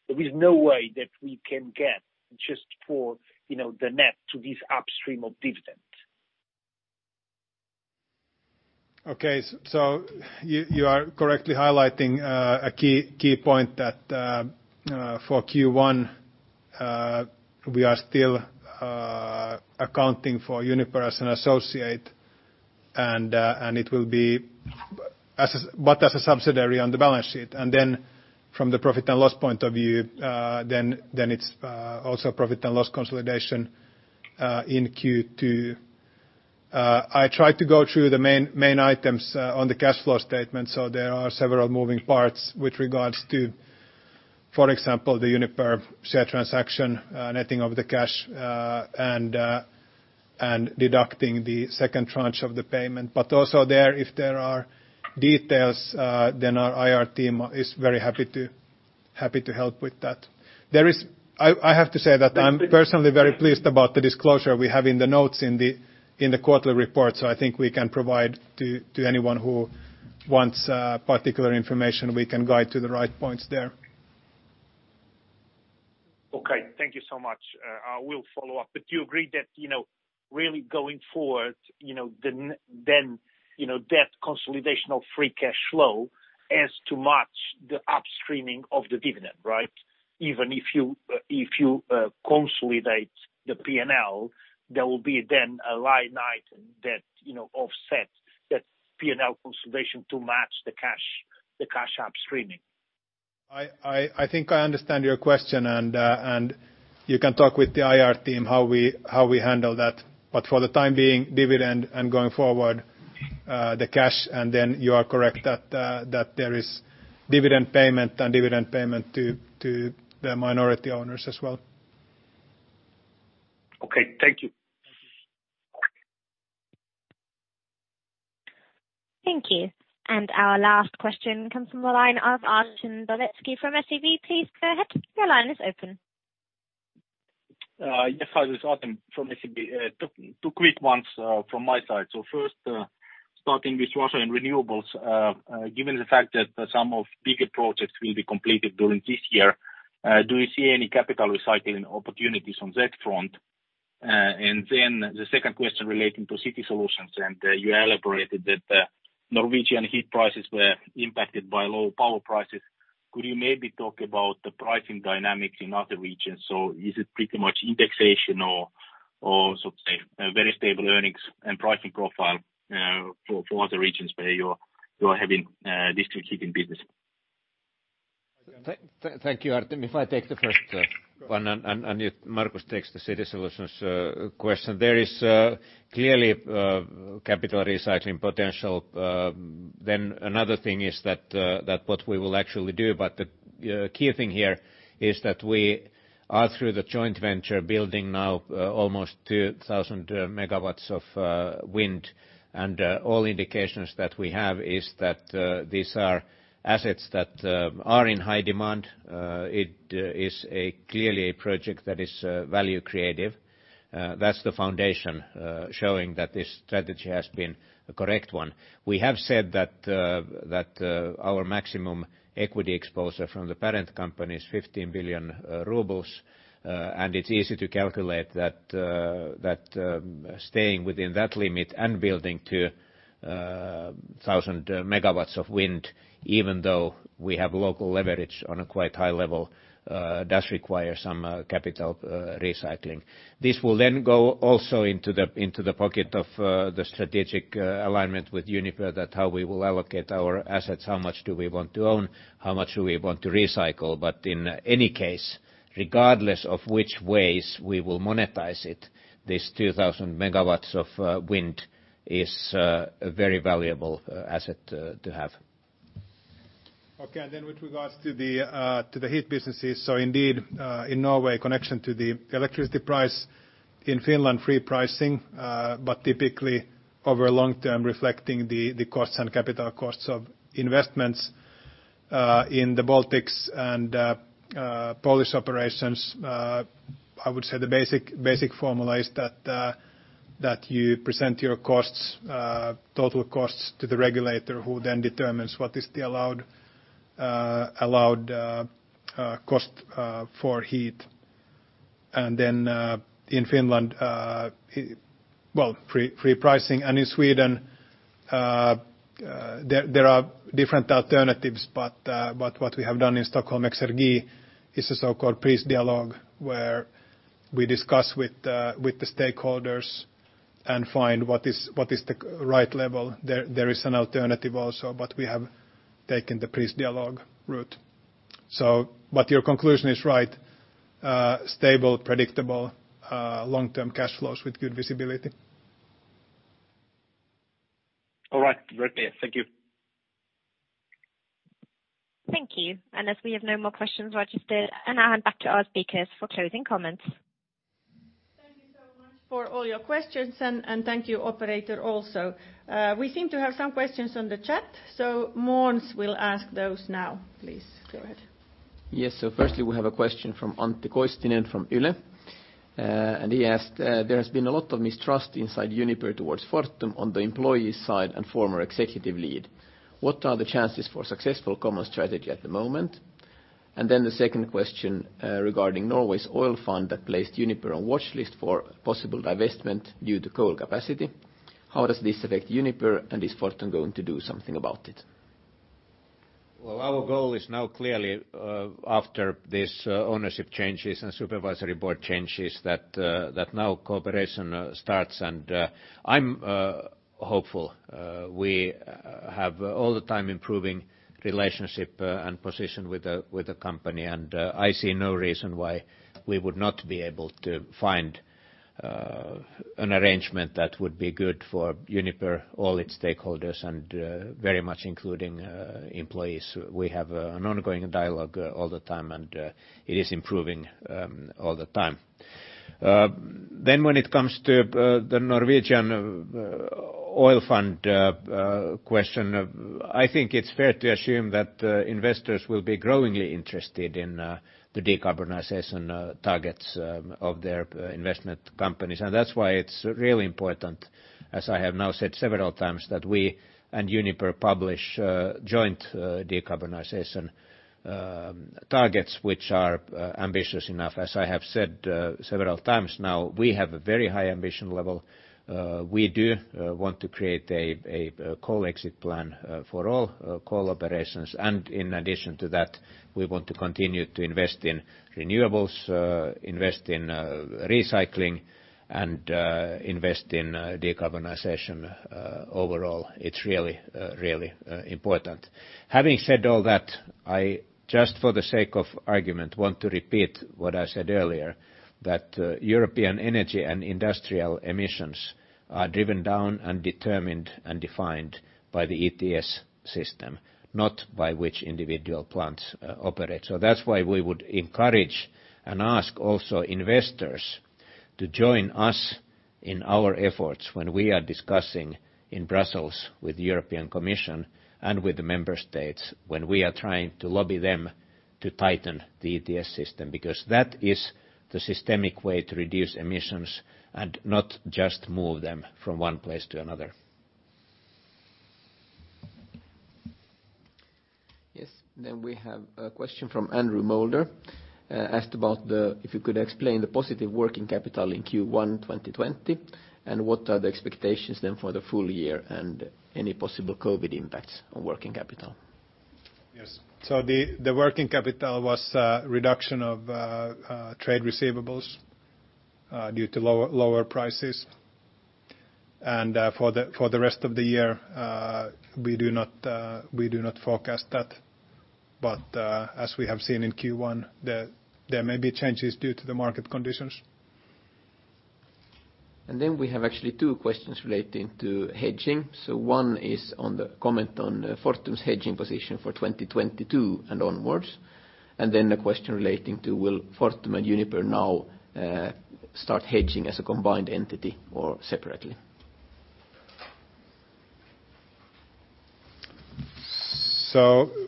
there is no way that we can get just for the net to this upstream of dividend. You are correctly highlighting a key point that, for Q1, we are still accounting for Uniper as an associate, but as a subsidiary on the balance sheet. From the profit and loss point of view, it's also profit and loss consolidation in Q2. I tried to go through the main items on the cash flow statement. There are several moving parts with regards to, for example, the Uniper share transaction, netting of the cash, and deducting the second tranche of the payment. Also there, if there are details, our IR team is very happy to help with that. I have to say that I'm personally very pleased about the disclosure we have in the notes in the quarterly report. I think we can provide to anyone who wants particular information, we can guide to the right points there. Okay. Thank you so much. I will follow up. Do you agree that, really going forward, then, that consolidation of free cash flow has to match the upstreaming of the dividend, right? Even if you consolidate the P&L, there will be then a line item that offsets that P&L consolidation to match the cash upstreaming. I think I understand your question. You can talk with the IR team how we handle that. For the time being, dividend and going forward, the cash. Then you are correct that there is dividend payment and dividend payment to the minority owners as well. Okay. Thank you. Thank you. Thank you. Our last question comes from the line of Artem Beletski from SEB. Please go ahead. Your line is open. Yes. Hi, this is Artem from SEB. Two quick ones from my side. First, starting with Russia and renewables, given the fact that some of bigger projects will be completed during this year, do you see any capital recycling opportunities on that front? Then the second question relating to City Solutions, and you elaborated that Norwegian heat prices were impacted by low power prices. Could you maybe talk about the pricing dynamics in other regions? Is it pretty much indexation or, so to say, very stable earnings and pricing profile for other regions where you are having district heating business? Thank you, Artem. If I take the first one and if Markus takes the City Solutions question. There is clearly capital recycling potential. Another thing is that what we will actually do about the key thing here is that we are, through the joint venture, building now almost 2,000 MW of wind. All indications that we have is that these are assets that are in high demand. It is clearly a project that is value creative. That's the foundation showing that this strategy has been a correct one. We have said that our maximum equity exposure from the parent company is 15 billion rubles, and it's easy to calculate that staying within that limit and building 2,000 MW of wind, even though we have local leverage on a quite high level, does require some capital recycling. This will then go also into the pocket of the strategic alignment with Uniper that how we will allocate our assets, how much do we want to own, how much do we want to recycle? In any case, regardless of which ways we will monetize it, this 2,000 megawatts of wind is a very valuable asset to have. Okay, with regards to the heat businesses, indeed, in Norway, connection to the electricity price. In Finland, free pricing, typically, over long term reflecting the costs and capital costs of investments in the Baltics and Polish operations, I would say the basic formula is that you present your total costs to the regulator who then determines what is the allowed cost for heat. In Finland, free pricing. In Sweden, there are different alternatives, what we have done in Stockholm Exergi is a so-called price dialogue where we discuss with the stakeholders and find what is the right level. There is an alternative also, we have taken the price dialogue route. Your conclusion is right. Stable, predictable long term cash flows with good visibility. All right. Greatly. Thank you. As we have no more questions registered, I'll hand back to our speakers for closing comments. Thank you so much for all your questions. Thank you, operator, also. We seem to have some questions on the chat. Markus will ask those now. Please, go ahead. Yes. Firstly, we have a question from Antti Koistinen from Yle. He asked: There has been a lot of mistrust inside Uniper towards Fortum on the employee side and former executive lead. What are the chances for successful common strategy at the moment? The second question regarding Norway's oil fund that placed Uniper on watchlist for possible divestment due to coal capacity. How does this affect Uniper, and is Fortum going to do something about it? Well, our goal is now clearly, after these ownership changes and supervisory board changes, that now cooperation starts, and I'm hopeful. We have all the time improving relationship and position with the company, and I see no reason why we would not be able to find an arrangement that would be good for Uniper, all its stakeholders, and very much including employees. We have an ongoing dialogue all the time, and it is improving all the time. When it comes to the Norwegian oil fund question, I think it's fair to assume that investors will be growingly interested in the decarbonization targets of their investment companies. That's why it's really important, as I have now said several times, that we and Uniper publish joint decarbonization targets, which are ambitious enough. As I have said several times now, we have a very high ambition level. We do want to create a coal exit plan for all coal operations. In addition to that, we want to continue to invest in renewables, invest in recycling, and invest in decarbonization overall. It's really important. Having said all that, I, just for the sake of argument, want to repeat what I said earlier, that European energy and industrial emissions are driven down and determined and defined by the ETS system, not by which individual plants operate. That's why we would encourage and ask also investors to join us in our efforts when we are discussing in Brussels with the European Commission and with the member states when we are trying to lobby them to tighten the ETS system, because that is the systemic way to reduce emissions and not just move them from one place to another. We have a question from Andrew Moulder. Asked about if you could explain the positive working capital in Q1 2020, and what are the expectations then for the full year and any possible COVID impacts on working capital? Yes. The working capital was a reduction of trade receivables due to lower prices. For the rest of the year we do not forecast that. As we have seen in Q1, there may be changes due to the market conditions. We have actually two questions relating to hedging. One is on the comment on Fortum's hedging position for 2022 and onwards. A question relating to will Fortum and Uniper now start hedging as a combined entity or separately?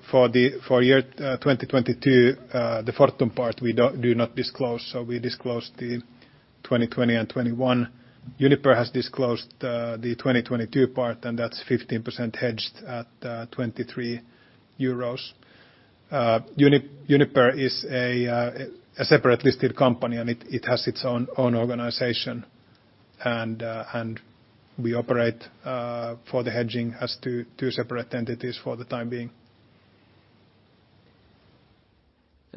For year 2022, the Fortum part, we do not disclose, so we disclose the 2020 and 2021. Uniper has disclosed the 2022 part, and that's 15% hedged at 23 euros. Uniper is a separate listed company, and it has its own organization. We operate for the hedging as two separate entities for the time being.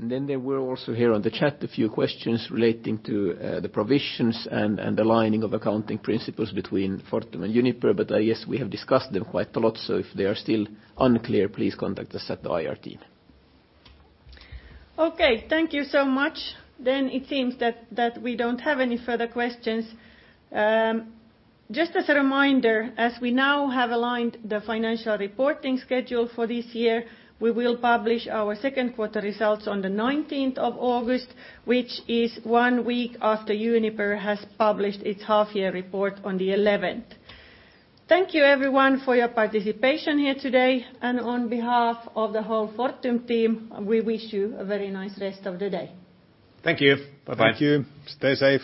There were also here on the chat a few questions relating to the provisions and aligning of accounting principles between Fortum and Uniper, but I guess we have discussed them quite a lot, so if they are still unclear, please contact us at the IR team. Okay. Thank you so much. It seems that we don't have any further questions. Just as a reminder, as we now have aligned the financial reporting schedule for this year, we will publish our second quarter results on the 19th of August, which is one week after Uniper has published its half year report on the 11th. Thank you everyone for your participation here today and on behalf of the whole Fortum team, we wish you a very nice rest of the day. Thank you. Bye-bye. Thank you. Stay safe.